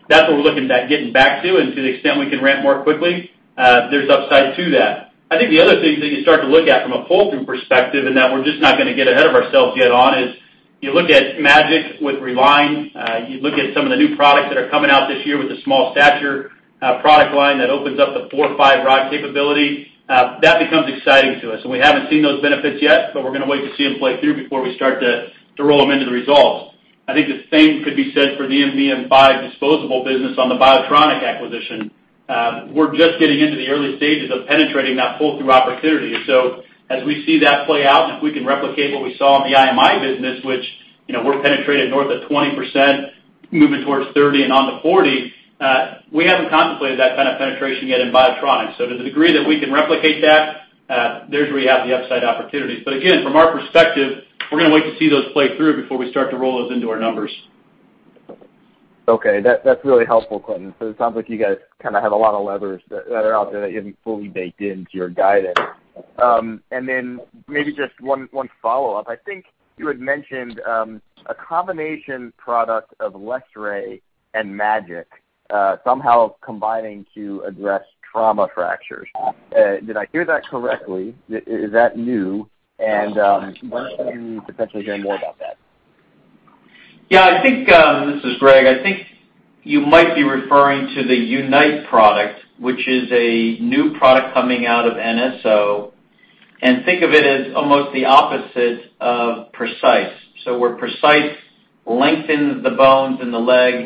[SPEAKER 4] is what we are looking at getting back to, and to the extent we can ramp more quickly, there is upside to that. I think the other thing that you start to look at from a pull-through perspective and that we are just not going to get ahead of ourselves yet on is you look at MAGIC with RELINE. You look at some of the new products that are coming out this year with the small stature product line that opens up the four or five rod capability. That becomes exciting to us. We have not seen those benefits yet, but we are going to wait to see them play through before we start to roll them into the results. I think the same could be said for the M5 disposable business on the Biotronic acquisition. We are just getting into the early stages of penetrating that pull-through opportunity. As we see that play out, and if we can replicate what we saw in the IMI business, which we penetrated north of 20 percent, moving towards 30 percent and on to 40 percent, we have not contemplated that kind of penetration yet in Biotronic. To the degree that we can replicate that, there is where you have the upside opportunities. Again, from our perspective, we are going to wait to see those play through before we start to roll those into our numbers.
[SPEAKER 6] Okay. That's really helpful, Quentin. It sounds like you guys kind of have a lot of levers that are out there that you haven't fully baked into your guidance. Maybe just one follow-up. I think you had mentioned a combination product of LessRay and MAGIC, somehow combining to address trauma fractures. Did I hear that correctly? Is that new? When can we potentially hear more about that?
[SPEAKER 3] Yeah. This is Greg. I think you might be referring to the UNITE product, which is a new product coming out of NSO. Think of it as almost the opposite of PRECICE. Where PRECICE lengthens the bones and the leg,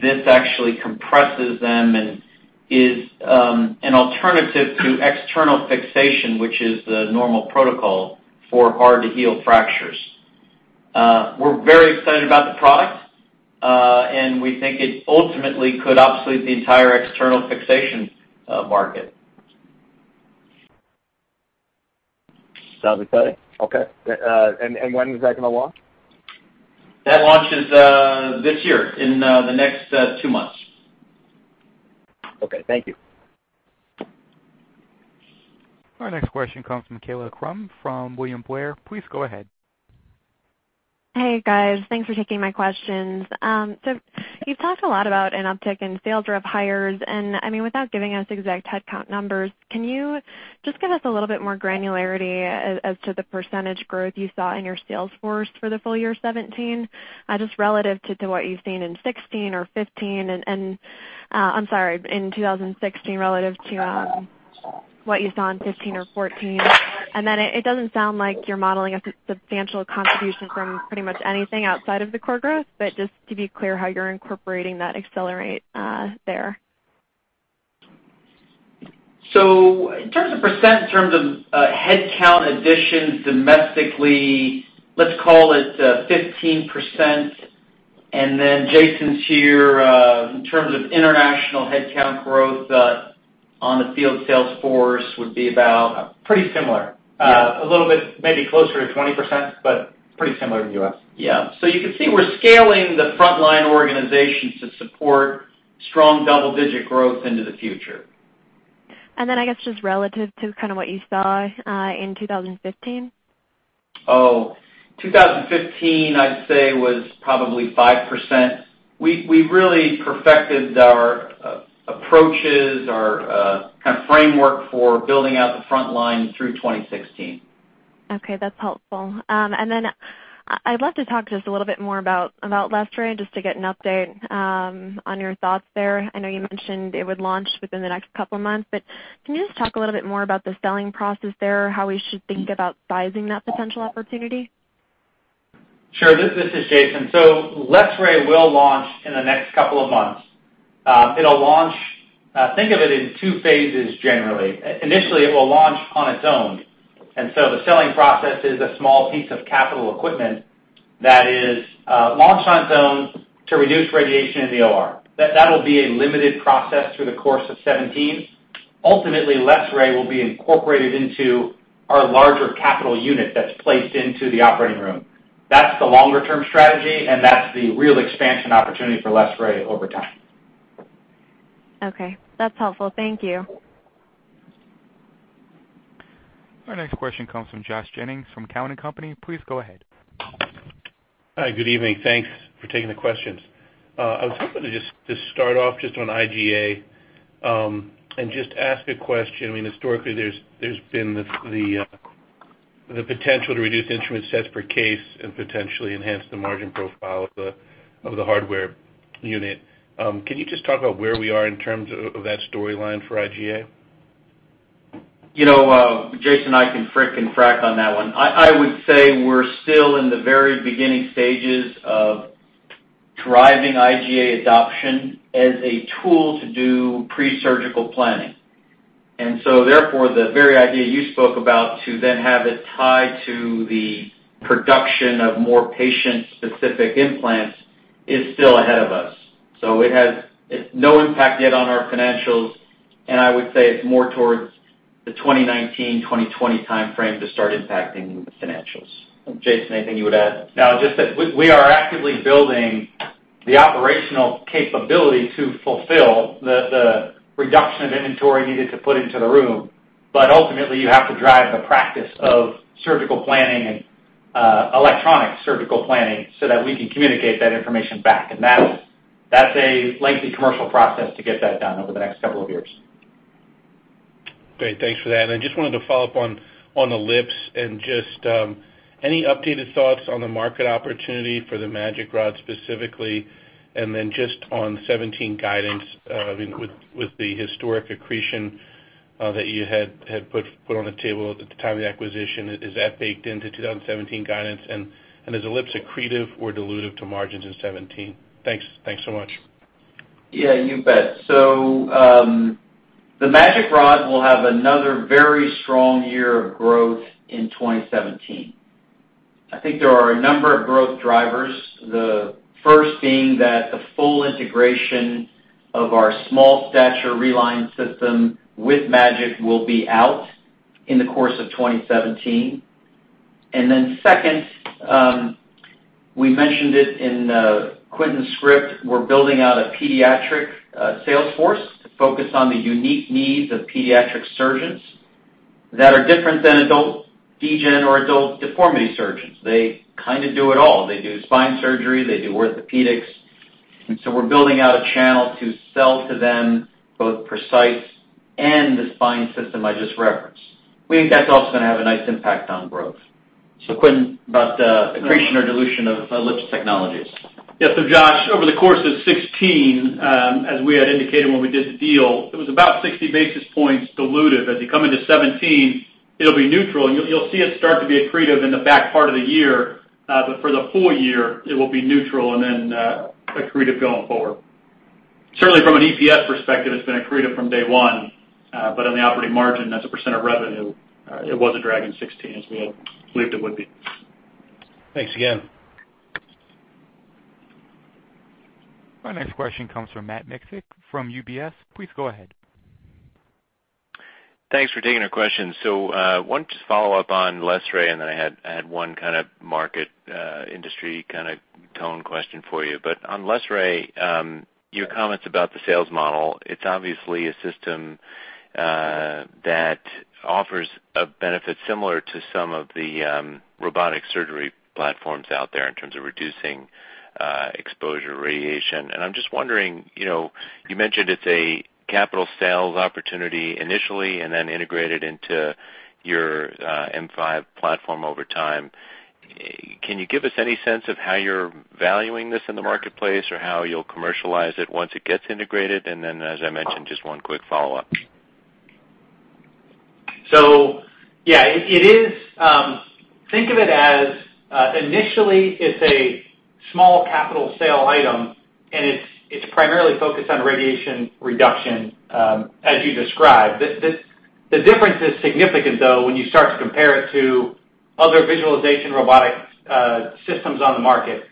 [SPEAKER 3] this actually compresses them and is an alternative to external fixation, which is the normal protocol for hard-to-heal fractures. We're very excited about the product, and we think it ultimately could obsolete the entire external fixation market.
[SPEAKER 6] Sounds exciting. Okay. When is that going to launch?
[SPEAKER 3] That launches this year in the next two months.
[SPEAKER 6] Okay. Thank you.
[SPEAKER 1] Our next question comes from Kayla Crumb from William Blair. Please go ahead.
[SPEAKER 7] Hey, guys. Thanks for taking my questions. You've talked a lot about Inuptiq and SalesRev hires. I mean, without giving us exact headcount numbers, can you just give us a little bit more granularity as to the percent growth you saw in your sales force for the full year 2017, just relative to what you've seen in 2016 or 2015, and I'm sorry, in 2016 relative to what you saw in 2015 or 2014? It doesn't sound like you're modeling a substantial contribution from pretty much anything outside of the core growth, but just to be clear how you're incorporating that accelerate there.
[SPEAKER 3] In terms of percent, in terms of headcount additions domestically, let's call it 15 percent. And then Jason's here. In terms of international headcount growth on the field sales force, would be about pretty similar. A little bit maybe closer to 20 percent, but pretty similar in the U.S. Yeah. You can see we're scaling the frontline organizations to support strong double-digit growth into the future.
[SPEAKER 7] I guess just relative to kind of what you saw in 2015?
[SPEAKER 3] Oh, 2015, I'd say, was probably 5 percent. We really perfected our approaches, our kind of framework for building out the frontline through 2016.
[SPEAKER 7] Okay. That's helpful. I'd love to talk just a little bit more about LessRay just to get an update on your thoughts there. I know you mentioned it would launch within the next couple of months, but can you just talk a little bit more about the selling process there, how we should think about sizing that potential opportunity?
[SPEAKER 8] Sure. This is Jason. LessRay will launch in the next couple of months. It will launch—think of it in two phases, generally. Initially, it will launch on its own. The selling process is a small piece of capital equipment that is launched on its own to reduce radiation in the OR. That will be a limited process through the course of 2017. Ultimately, LessRay will be incorporated into our larger capital unit that is placed into the operating room. That is the longer-term strategy, and that is the real expansion opportunity for LessRay over time.
[SPEAKER 7] Okay. That's helpful. Thank you.
[SPEAKER 1] Our next question comes from Josh Jennings from Cowen & Company. Please go ahead.
[SPEAKER 9] Hi. Good evening. Thanks for taking the questions. I was hoping to just start off just on IgA and just ask a question. I mean, historically, there's been the potential to reduce instrument sets per case and potentially enhance the margin profile of the hardware unit. Can you just talk about where we are in terms of that storyline for IgA?
[SPEAKER 4] Jason and I can frick and frack on that one. I would say we're still in the very beginning stages of driving IgA adoption as a tool to do pre-surgical planning. Therefore, the very idea you spoke about to then have it tied to the production of more patient-specific implants is still ahead of us. It has no impact yet on our financials. I would say it's more towards the 2019, 2020 timeframe to start impacting the financials. Jason, anything you would add? Just that we are actively building the operational capability to fulfill the reduction of inventory needed to put into the room. Ultimately, you have to drive the practice of surgical planning and electronic surgical planning so that we can communicate that information back. That's a lengthy commercial process to get that done over the next couple of years.
[SPEAKER 9] Great. Thanks for that. I just wanted to follow up on the LIPS and just any updated thoughts on the market opportunity for the MAGIC rod specifically, and then just on 2017 guidance with the historic accretion that you had put on the table at the time of the acquisition. Is that baked into 2017 guidance? Is the LIPS accretive or dilutive to margins in 2017? Thanks so much.
[SPEAKER 4] Yeah. You bet. The MAGIC rod will have another very strong year of growth in 2017. I think there are a number of growth drivers, the first being that the full integration of our small stature Reline system with MAGIC will be out in the course of 2017. Second, we mentioned it in Quentin's script, we're building out a pediatric sales force to focus on the unique needs of pediatric surgeons that are different than adult DGEN or adult deformity surgeons. They kind of do it all. They do spine surgery. They do orthopedics. We're building out a channel to sell to them both PRECICE and the spine system I just referenced. We think that's also going to have a nice impact on growth. Quentin, about accretion or dilution of Ellipse Technologies. Josh, over the course of 2016, as we had indicated when we did the deal, it was about 60 basis points dilutive. As you come into 2017, it'll be neutral. You'll see it start to be accretive in the back part of the year. For the full year, it will be neutral and then accretive going forward. Certainly, from an EPS perspective, it's been accretive from day one. On the operating margin, that's a percent of revenue. It wasn't dragging 2016 as we had believed it would be.
[SPEAKER 5] Thanks again.
[SPEAKER 1] Our next question comes from Matt Miksic from UBS. Please go ahead.
[SPEAKER 10] Thanks for taking our questions. I wanted to just follow up on LessRay and then I had one kind of market industry kind of tone question for you. On LessRay, your comments about the sales model, it's obviously a system that offers a benefit similar to some of the robotic surgery platforms out there in terms of reducing exposure radiation. I'm just wondering, you mentioned it's a capital sales opportunity initially and then integrated into your M5 platform over time. Can you give us any sense of how you're valuing this in the marketplace or how you'll commercialize it once it gets integrated? As I mentioned, just one quick follow-up.
[SPEAKER 4] Yeah, think of it as initially, it's a small capital sale item, and it's primarily focused on radiation reduction, as you described. The difference is significant, though, when you start to compare it to other visualization robotic systems on the market.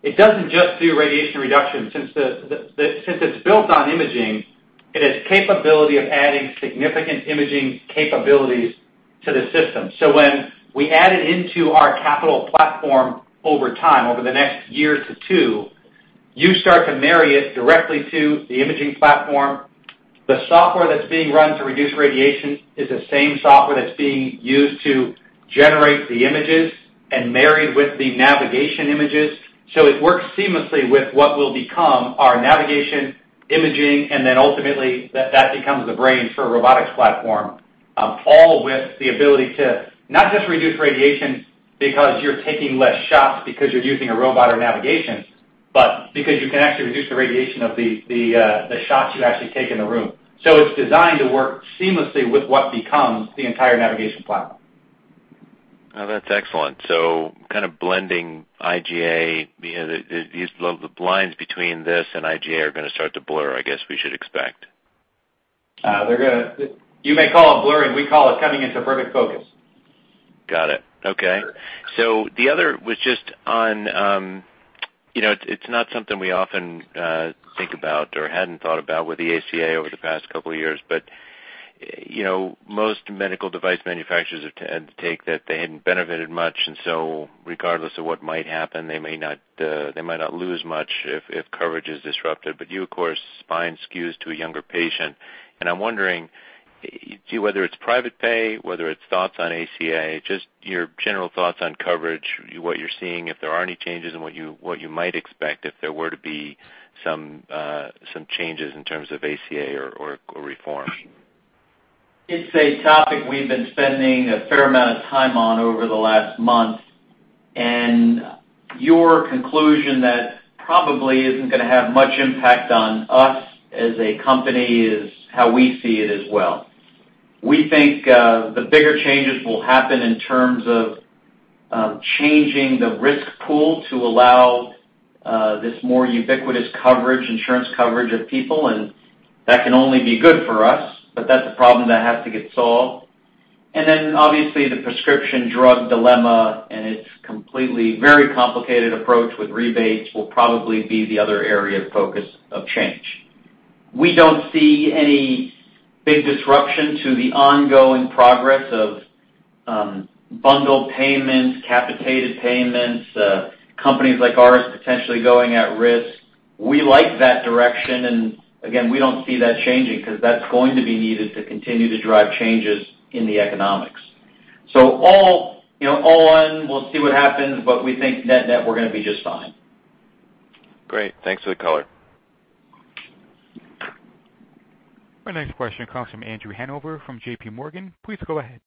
[SPEAKER 4] It doesn't just do radiation reduction. Since it's built on imaging, it has capability of adding significant imaging capabilities to the system. When we add it into our capital platform over time, over the next year to two, you start to marry it directly to the imaging platform. The software that's being run to reduce radiation is the same software that's being used to generate the images and married with the navigation images. It works seamlessly with what will become our navigation imaging, and then ultimately, that becomes the brain for a robotics platform, all with the ability to not just reduce radiation because you're taking fewer shots because you're using a robot or navigation, but because you can actually reduce the radiation of the shots you actually take in the room. It is designed to work seamlessly with what becomes the entire navigation platform.
[SPEAKER 10] That's excellent. Kind of blending IgA, the lines between this and IgA are going to start to blur, I guess we should expect.
[SPEAKER 4] You may call it blurring. We call it coming into perfect focus.
[SPEAKER 10] Got it. Okay. The other was just on it's not something we often think about or hadn't thought about with the ACA over the past couple of years. Most medical device manufacturers have tended to take that they hadn't benefited much. Regardless of what might happen, they might not lose much if coverage is disrupted. You, of course, spine skews to a younger patient. I'm wondering whether it's private pay, whether it's thoughts on ACA, just your general thoughts on coverage, what you're seeing, if there are any changes and what you might expect if there were to be some changes in terms of ACA or reform.
[SPEAKER 4] It's a topic we've been spending a fair amount of time on over the last month. Your conclusion that probably isn't going to have much impact on us as a company is how we see it as well. We think the bigger changes will happen in terms of changing the risk pool to allow this more ubiquitous insurance coverage of people. That can only be good for us, but that's a problem that has to get solved. Obviously, the prescription drug dilemma and its completely very complicated approach with rebates will probably be the other area of focus of change. We don't see any big disruption to the ongoing progress of bundled payments, capitated payments, companies like ours potentially going at risk. We like that direction. We do not see that changing because that is going to be needed to continue to drive changes in the economics. All on, we will see what happens, but we think net-net, we are going to be just fine.
[SPEAKER 10] Great. Thanks for the color.
[SPEAKER 1] Our next question comes from Andrew Hanover from JP Morgan. Please go ahead.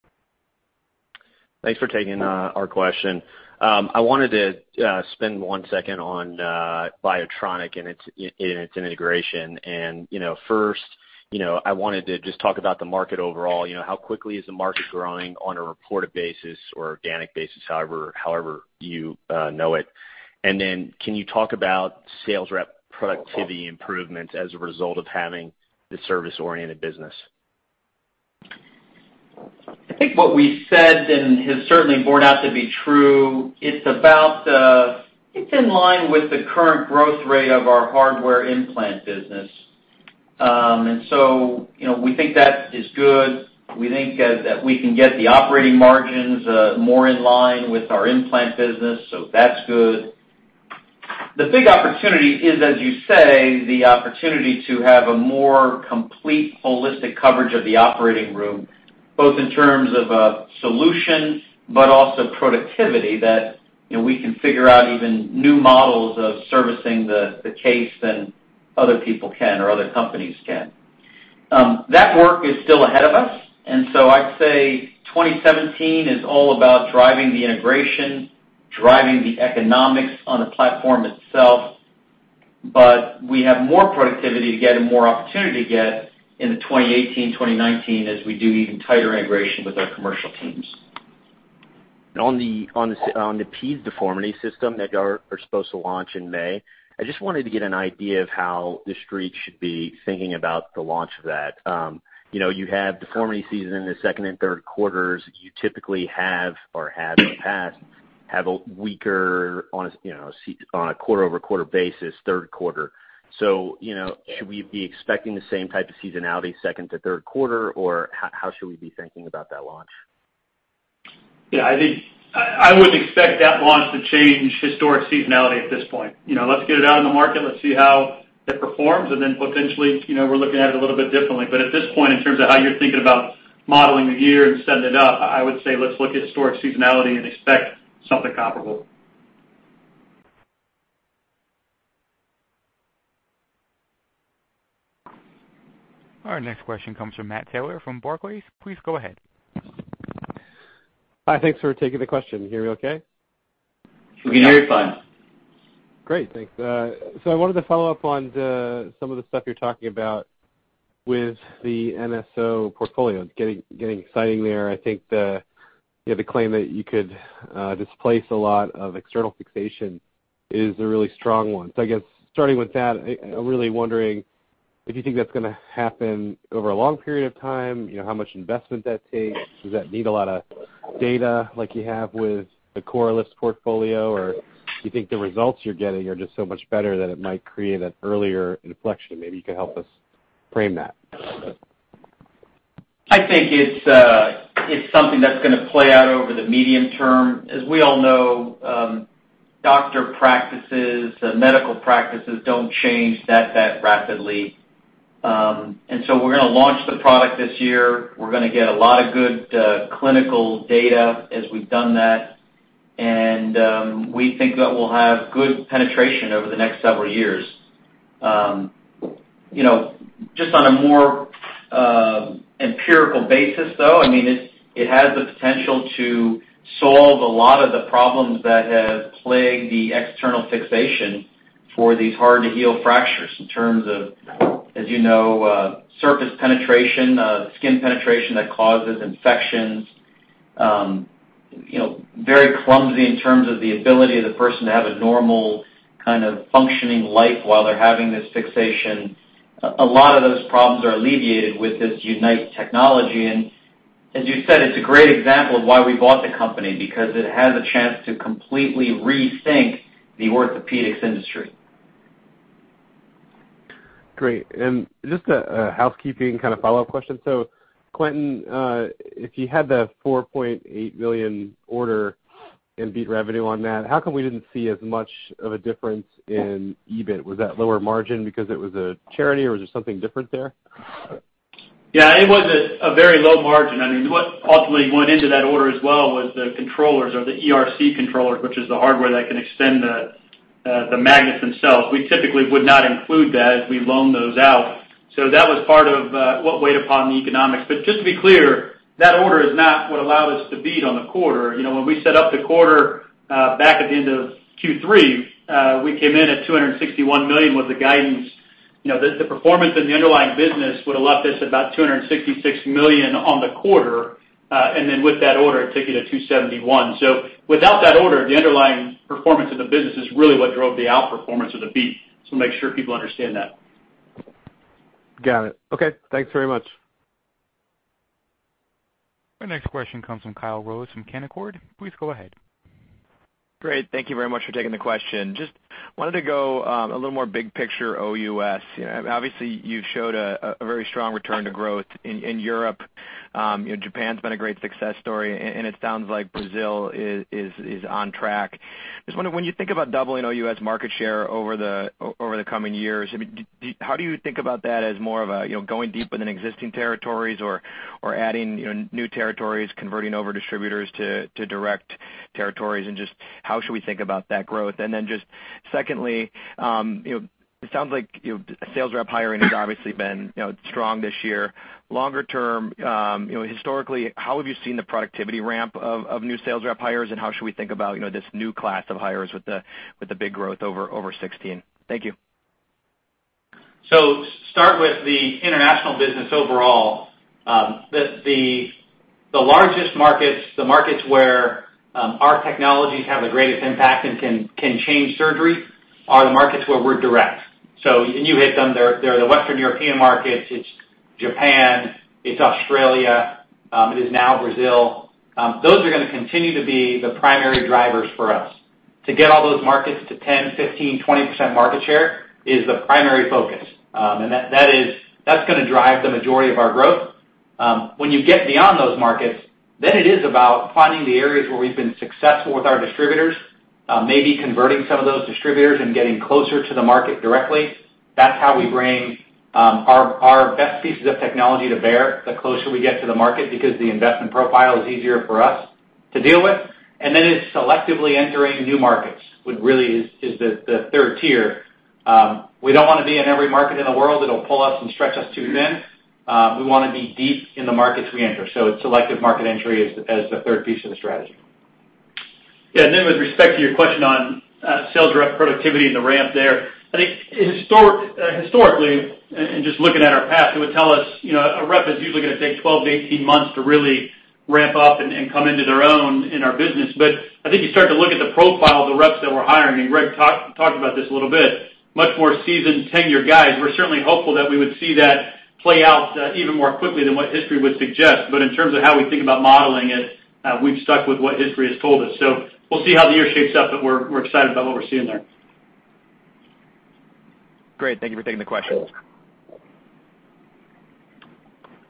[SPEAKER 11] Thanks for taking our question. I wanted to spend one second on Biotronic and its integration. First, I wanted to just talk about the market overall. How quickly is the market growing on a reported basis or organic basis, however you know it? Can you talk about sales rep productivity improvements as a result of having the service-oriented business?
[SPEAKER 4] I think what we said and has certainly borne out to be true. It is in line with the current growth rate of our hardware implant business. We think that is good. We think that we can get the operating margins more in line with our implant business. That is good. The big opportunity is, as you say, the opportunity to have a more complete, holistic coverage of the operating room, both in terms of solution but also productivity, that we can figure out even new models of servicing the case than other people can or other companies can. That work is still ahead of us. I would say 2017 is all about driving the integration, driving the economics on the platform itself. We have more productivity to get and more opportunity to get in the 2018, 2019 as we do even tighter integration with our commercial teams.
[SPEAKER 10] On the Pulse deformity system that y'all are supposed to launch in May, I just wanted to get an idea of how the street should be thinking about the launch of that. You have deformity season in the second and third quarters. You typically have, or have in the past, a weaker, on a quarter-over-quarter basis, third quarter. Should we be expecting the same type of seasonality second to third quarter, or how should we be thinking about that launch?
[SPEAKER 4] Yeah. I would expect that launch to change historic seasonality at this point. Let's get it out in the market. Let's see how it performs. Then potentially, we're looking at it a little bit differently. At this point, in terms of how you're thinking about modeling the year and setting it up, I would say let's look at historic seasonality and expect something comparable.
[SPEAKER 1] Our next question comes from Matt Taylor from Barclays. Please go ahead.
[SPEAKER 12] Hi. Thanks for taking the question. Hear you okay?
[SPEAKER 4] We can hear you fine.
[SPEAKER 12] Great. Thanks. I wanted to follow up on some of the stuff you're talking about with the NSO portfolio. It's getting exciting there. I think the claim that you could displace a lot of external fixation is a really strong one. I guess starting with that, I'm really wondering if you think that's going to happen over a long period of time, how much investment that takes. Does that need a lot of data like you have with the CoreLIPS portfolio, or do you think the results you're getting are just so much better that it might create an earlier inflection? Maybe you could help us frame that.
[SPEAKER 4] I think it's something that's going to play out over the medium term. As we all know, doctor practices, medical practices don't change that rapidly. We're going to launch the product this year. We're going to get a lot of good clinical data as we've done that. We think that we'll have good penetration over the next several years. Just on a more empirical basis, though, I mean, it has the potential to solve a lot of the problems that have plagued the external fixation for these hard-to-heal fractures in terms of, as you know, surface penetration, skin penetration that causes infections, very clumsy in terms of the ability of the person to have a normal kind of functioning life while they're having this fixation. A lot of those problems are alleviated with this UNITE technology. As you said, it's a great example of why we bought the company because it has a chance to completely rethink the orthopedics industry.
[SPEAKER 12] Great. Just a housekeeping kind of follow-up question. Quinton, if you had the $4.8 million order and beat revenue on that, how come we did not see as much of a difference in EBIT? Was that lower margin because it was a charity, or was there something different there?
[SPEAKER 4] Yeah. It was a very low margin. I mean, what ultimately went into that order as well was the controllers or the ERC controllers, which is the hardware that can extend the magnets themselves. We typically would not include that as we loan those out. That was part of what weighed upon the economics. Just to be clear, that order is not what allowed us to beat on the quarter. When we set up the quarter back at the end of Q3, we came in at $261 million with the guidance. The performance and the underlying business would have left us about $266 million on the quarter. With that order, it took you to $271 million. Without that order, the underlying performance of the business is really what drove the outperformance of the beat. Make sure people understand that.
[SPEAKER 12] Got it. Okay. Thanks very much.
[SPEAKER 1] Our next question comes from Kyle Rose from Canaccord. Please go ahead.
[SPEAKER 13] Great. Thank you very much for taking the question. Just wanted to go a little more big picture OUS. Obviously, you've showed a very strong return to growth in Europe. Japan's been a great success story. It sounds like Brazil is on track. Just wondering, when you think about doubling OUS market share over the coming years, how do you think about that as more of a going deep within existing territories or adding new territories, converting over distributors to direct territories? Just how should we think about that growth? Secondly, it sounds like sales rep hiring has obviously been strong this year. Longer term, historically, how have you seen the productivity ramp of new sales rep hires? How should we think about this new class of hires with the big growth over 2016? Thank you.
[SPEAKER 4] Start with the international business overall. The largest markets, the markets where our technologies have the greatest impact and can change surgery, are the markets where we're direct. You hit them. They're the Western European markets. It's Japan. It's Australia. It is now Brazil. Those are going to continue to be the primary drivers for us. To get all those markets to 10 percent, 15 percent, 20 percent market share is the primary focus. That's going to drive the majority of our growth. When you get beyond those markets, then it is about finding the areas where we've been successful with our distributors, maybe converting some of those distributors and getting closer to the market directly. That's how we bring our best pieces of technology to bear the closer we get to the market because the investment profile is easier for us to deal with. It is selectively entering new markets, which really is the third tier. We do not want to be in every market in the world; that will pull us and stretch us too thin. We want to be deep in the markets we enter. It is selective market entry as the third piece of the strategy. Yeah. With respect to your question on sales rep productivity and the ramp there, I think historically, and just looking at our past, it would tell us a rep is usually going to take 12-18 months to really ramp up and come into their own in our business. I think you start to look at the profile of the reps that we are hiring. Greg talked about this a little bit. Much more seasoned tenure guys. We're certainly hopeful that we would see that play out even more quickly than what history would suggest. In terms of how we think about modeling it, we've stuck with what history has told us. We'll see how the year shapes up, but we're excited about what we're seeing there.
[SPEAKER 14] Great. Thank you for taking the question.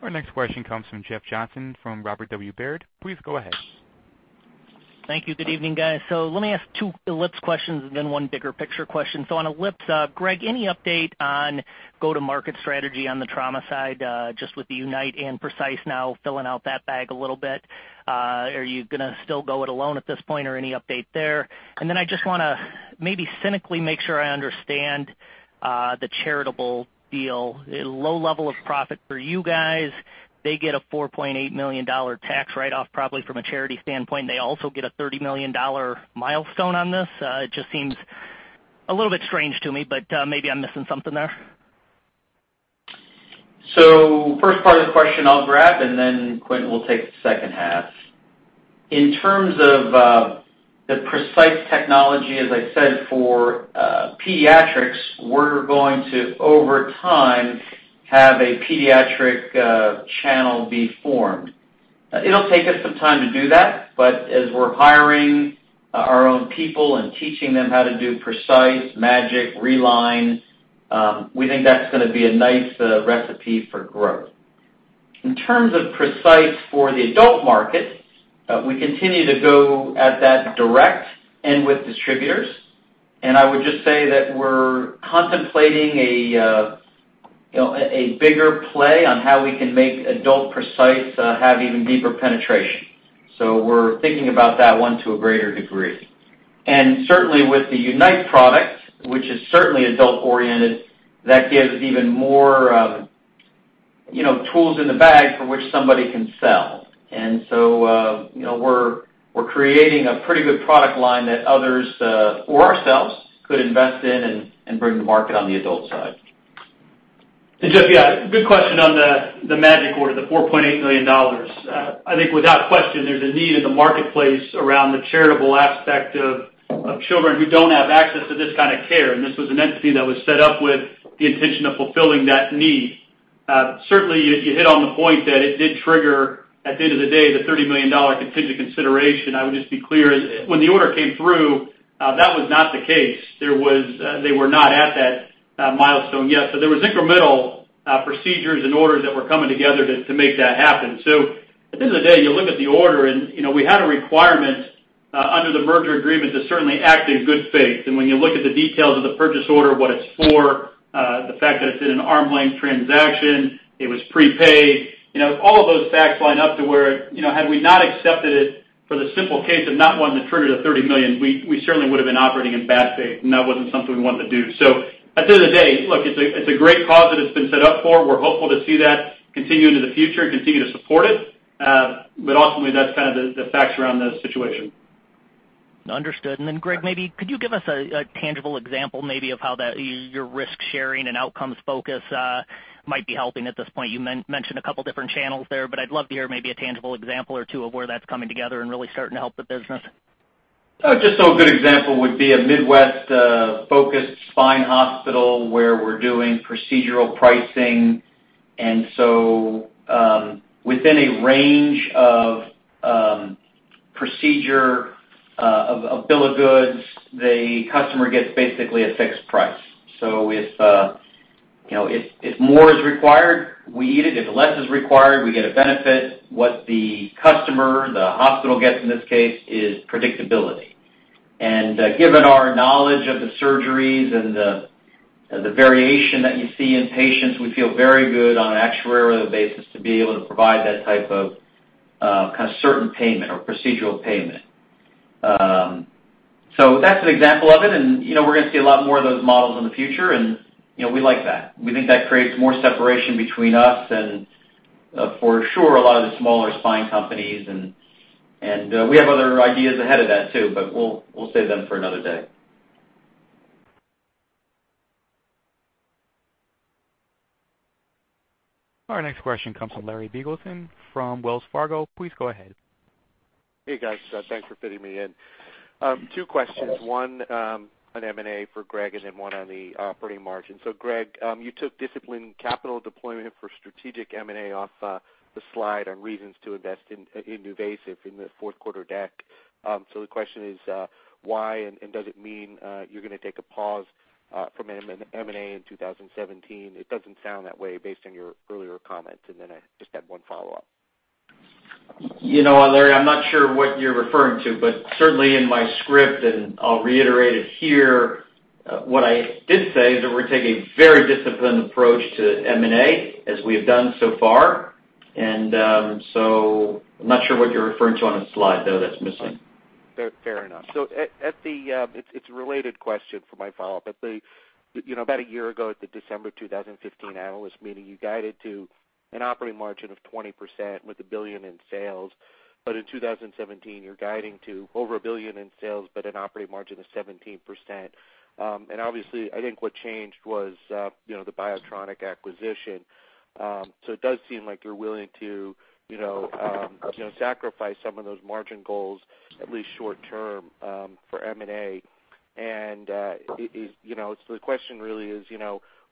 [SPEAKER 1] Our next question comes from Jeff Johnson from Robert W. Baird. Please go ahead.
[SPEAKER 15] Thank you. Good evening, guys. Let me ask two Ellipse questions and then one bigger picture question. On Ellipse, Greg, any update on go-to-market strategy on the trauma side just with the UNITE and PRECICE now filling out that bag a little bit? Are you going to still go it alone at this point or any update there? I just want to maybe cynically make sure I understand the charitable deal. Low level of profit for you guys. They get a $4.8 million tax write-off probably from a charity standpoint. They also get a $30 million milestone on this. It just seems a little bit strange to me, but maybe I'm missing something there.
[SPEAKER 4] First part of the question I'll grab, and then Quentin will take the second half. In terms of the PRECICE technology, as I said, for pediatrics, we're going to, over time, have a pediatric channel be formed. It'll take us some time to do that. But as we're hiring our own people and teaching them how to do PRECICE, MAGIC, RELINE, we think that's going to be a nice recipe for growth. In terms of PRECICE for the adult market, we continue to go at that direct and with distributors. I would just say that we're contemplating a bigger play on how we can make adult PRECICE have even deeper penetration. We're thinking about that one to a greater degree. Certainly with the UNITE product, which is certainly adult-oriented, that gives even more tools in the bag for which somebody can sell. We're creating a pretty good product line that others or ourselves could invest in and bring to market on the adult side. Jeff, yeah, good question on the MAGIC order, the $4.8 million. I think without question, there's a need in the marketplace around the charitable aspect of children who don't have access to this kind of care. This was an entity that was set up with the intention of fulfilling that need. Certainly, you hit on the point that it did trigger, at the end of the day, the $30 million contingent consideration. I would just be clear, when the order came through, that was not the case. They were not at that milestone yet. There were incremental procedures and orders that were coming together to make that happen. At the end of the day, you look at the order, and we had a requirement under the merger agreement to certainly act in good faith. When you look at the details of the purchase order, what it is for, the fact that it is in an arm-length transaction, it was prepaid, all of those facts line up to where had we not accepted it for the simple case of not wanting to trigger the $30 million, we certainly would have been operating in bad faith, and that was not something we wanted to do. At the end of the day, look, it is a great cause that it has been set up for. We are hopeful to see that continue into the future and continue to support it. Ultimately, that is kind of the facts around the situation.
[SPEAKER 15] Understood. Greg, maybe could you give us a tangible example maybe of how your risk-sharing and outcomes focus might be helping at this point? You mentioned a couple of different channels there, but I'd love to hear maybe a tangible example or two of where that's coming together and really starting to help the business.
[SPEAKER 4] Just a good example would be a Midwest-focused spine hospital where we're doing procedural pricing. Within a range of procedure of bill of goods, the customer gets basically a fixed price. If more is required, we eat it. If less is required, we get a benefit. What the customer, the hospital gets in this case, is predictability. Given our knowledge of the surgeries and the variation that you see in patients, we feel very good on an actuarial basis to be able to provide that type of kind of certain payment or procedural payment. That's an example of it. We're going to see a lot more of those models in the future. We like that. We think that creates more separation between us and, for sure, a lot of the smaller spine companies. We have other ideas ahead of that too, but we'll save them for another day.
[SPEAKER 1] Our next question comes from Larry Beagleton from Wells Fargo. Please go ahead.
[SPEAKER 16] Hey, guys. Thanks for fitting me in. Two questions. One on M&A for Greg and then one on the operating margin. Greg, you took discipline capital deployment for strategic M&A off the slide on reasons to invest in NuVasive in the fourth quarter deck. The question is, why and does it mean you're going to take a pause from M&A in 2017? It doesn't sound that way based on your earlier comments. I just had one follow-up.
[SPEAKER 3] You know what, Larry? I'm not sure what you're referring to, but certainly in my script, and I'll reiterate it here, what I did say is that we're taking a very disciplined approach to M&A, as we have done so far. I'm not sure what you're referring to on the slide, though, that's missing.
[SPEAKER 16] Fair enough. So it's a related question for my follow-up. About a year ago at the December 2015 analyst meeting, you guided to an operating margin of 20 percent with a billion in sales. But in 2017, you're guiding to over a billion in sales, but an operating margin of 17 percent. And obviously, I think what changed was the Biotronic acquisition. So it does seem like you're willing to sacrifice some of those margin goals, at least short-term, for M&A. And so the question really is,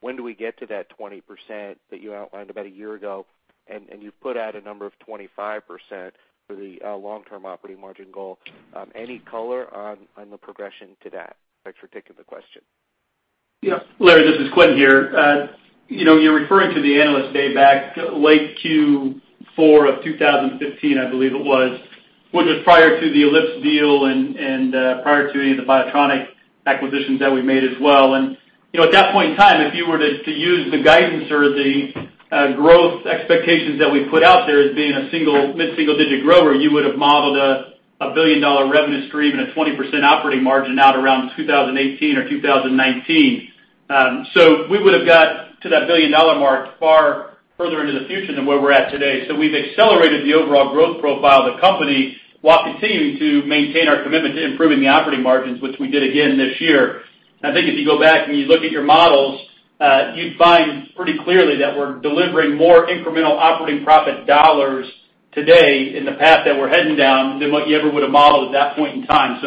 [SPEAKER 16] when do we get to that 20 percent that you outlined about a year ago, and you've put out a number of 25 percent for the long-term operating margin goal? Any color on the progression to that? Thanks for taking the question.
[SPEAKER 4] Yep. Larry, this is Quentin here. You're referring to the analyst day back late Q4 of 2015, I believe it was, which was prior to the Ellipse deal and prior to any of the Biotronic acquisitions that we made as well. At that point in time, if you were to use the guidance or the growth expectations that we put out there as being a mid-single-digit grower, you would have modeled a billion-dollar revenue stream and a 20 percent operating margin out around 2018 or 2019. We would have got to that billion-dollar mark far further into the future than where we're at today. We've accelerated the overall growth profile of the company while continuing to maintain our commitment to improving the operating margins, which we did again this year. I think if you go back and you look at your models, you'd find pretty clearly that we're delivering more incremental operating profit dollars today in the path that we're heading down than what you ever would have modeled at that point in time.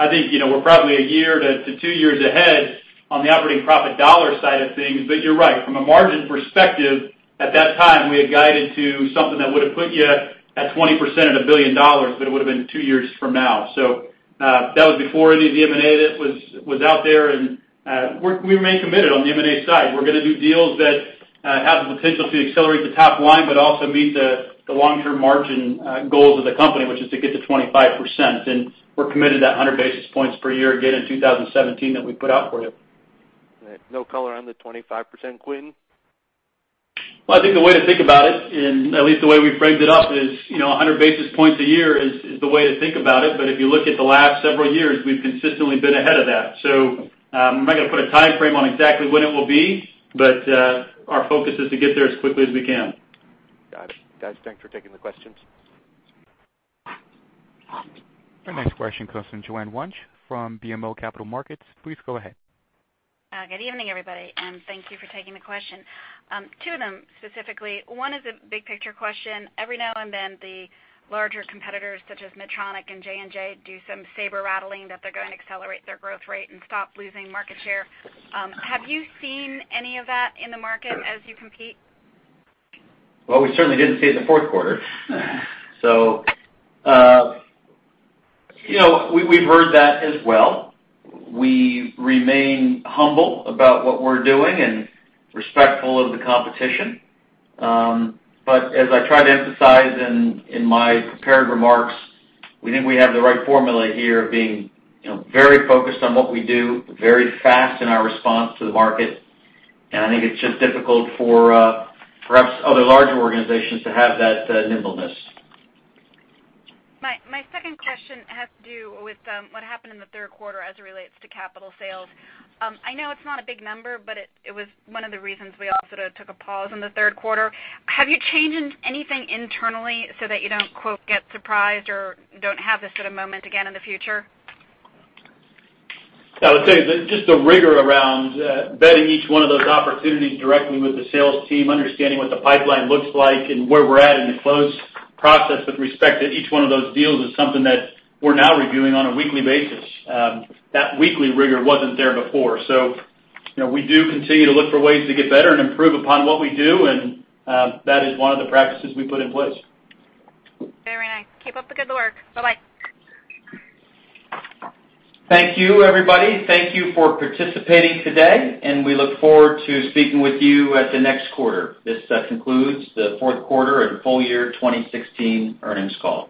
[SPEAKER 4] I think we're probably a year to two years ahead on the operating profit dollar side of things. You're right. From a margin perspective, at that time, we had guided to something that would have put you at 20 percent at a billion dollars, but it would have been two years from now. That was before any of the M&A that was out there. We remain committed on the M&A side. We're going to do deals that have the potential to accelerate the top line, but also meet the long-term margin goals of the company, which is to get to 25 percent. We're committed to that 100 basis points per year again in 2017 that we put out for you.
[SPEAKER 3] No color on the 25 percent, Quentin?
[SPEAKER 4] I think the way to think about it, and at least the way we framed it up, is 100 basis points a year is the way to think about it. If you look at the last several years, we've consistently been ahead of that. I'm not going to put a time frame on exactly when it will be, but our focus is to get there as quickly as we can.
[SPEAKER 16] Got it. Guys, thanks for taking the questions.
[SPEAKER 1] Our next question comes from Joanne Wuensch from BMO Capital Markets. Please go ahead.
[SPEAKER 17] Good evening, everybody. Thank you for taking the question. Two of them specifically. One is a big picture question. Every now and then, the larger competitors such as Medtronic and J&J do some saber rattling that they're going to accelerate their growth rate and stop losing market share. Have you seen any of that in the market as you compete?
[SPEAKER 4] We certainly didn't see it in the fourth quarter. We've heard that as well. We remain humble about what we're doing and respectful of the competition. As I try to emphasize in my prepared remarks, we think we have the right formula here of being very focused on what we do, very fast in our response to the market. I think it's just difficult for perhaps other larger organizations to have that nimbleness.
[SPEAKER 17] My second question has to do with what happened in the third quarter as it relates to capital sales. I know it's not a big number, but it was one of the reasons we also took a pause in the third quarter. Have you changed anything internally so that you don't "get surprised" or don't have this sort of moment again in the future?
[SPEAKER 3] I would say just the rigor around vetting each one of those opportunities directly with the sales team, understanding what the pipeline looks like, and where we're at in the close process with respect to each one of those deals is something that we're now reviewing on a weekly basis. That weekly rigor was not there before. We do continue to look for ways to get better and improve upon what we do, and that is one of the practices we put in place.
[SPEAKER 17] Very nice. Keep up the good work. Bye-bye.
[SPEAKER 3] Thank you, everybody. Thank you for participating today, and we look forward to speaking with you at the next quarter. This concludes the fourth quarter and full year 2016 earnings call.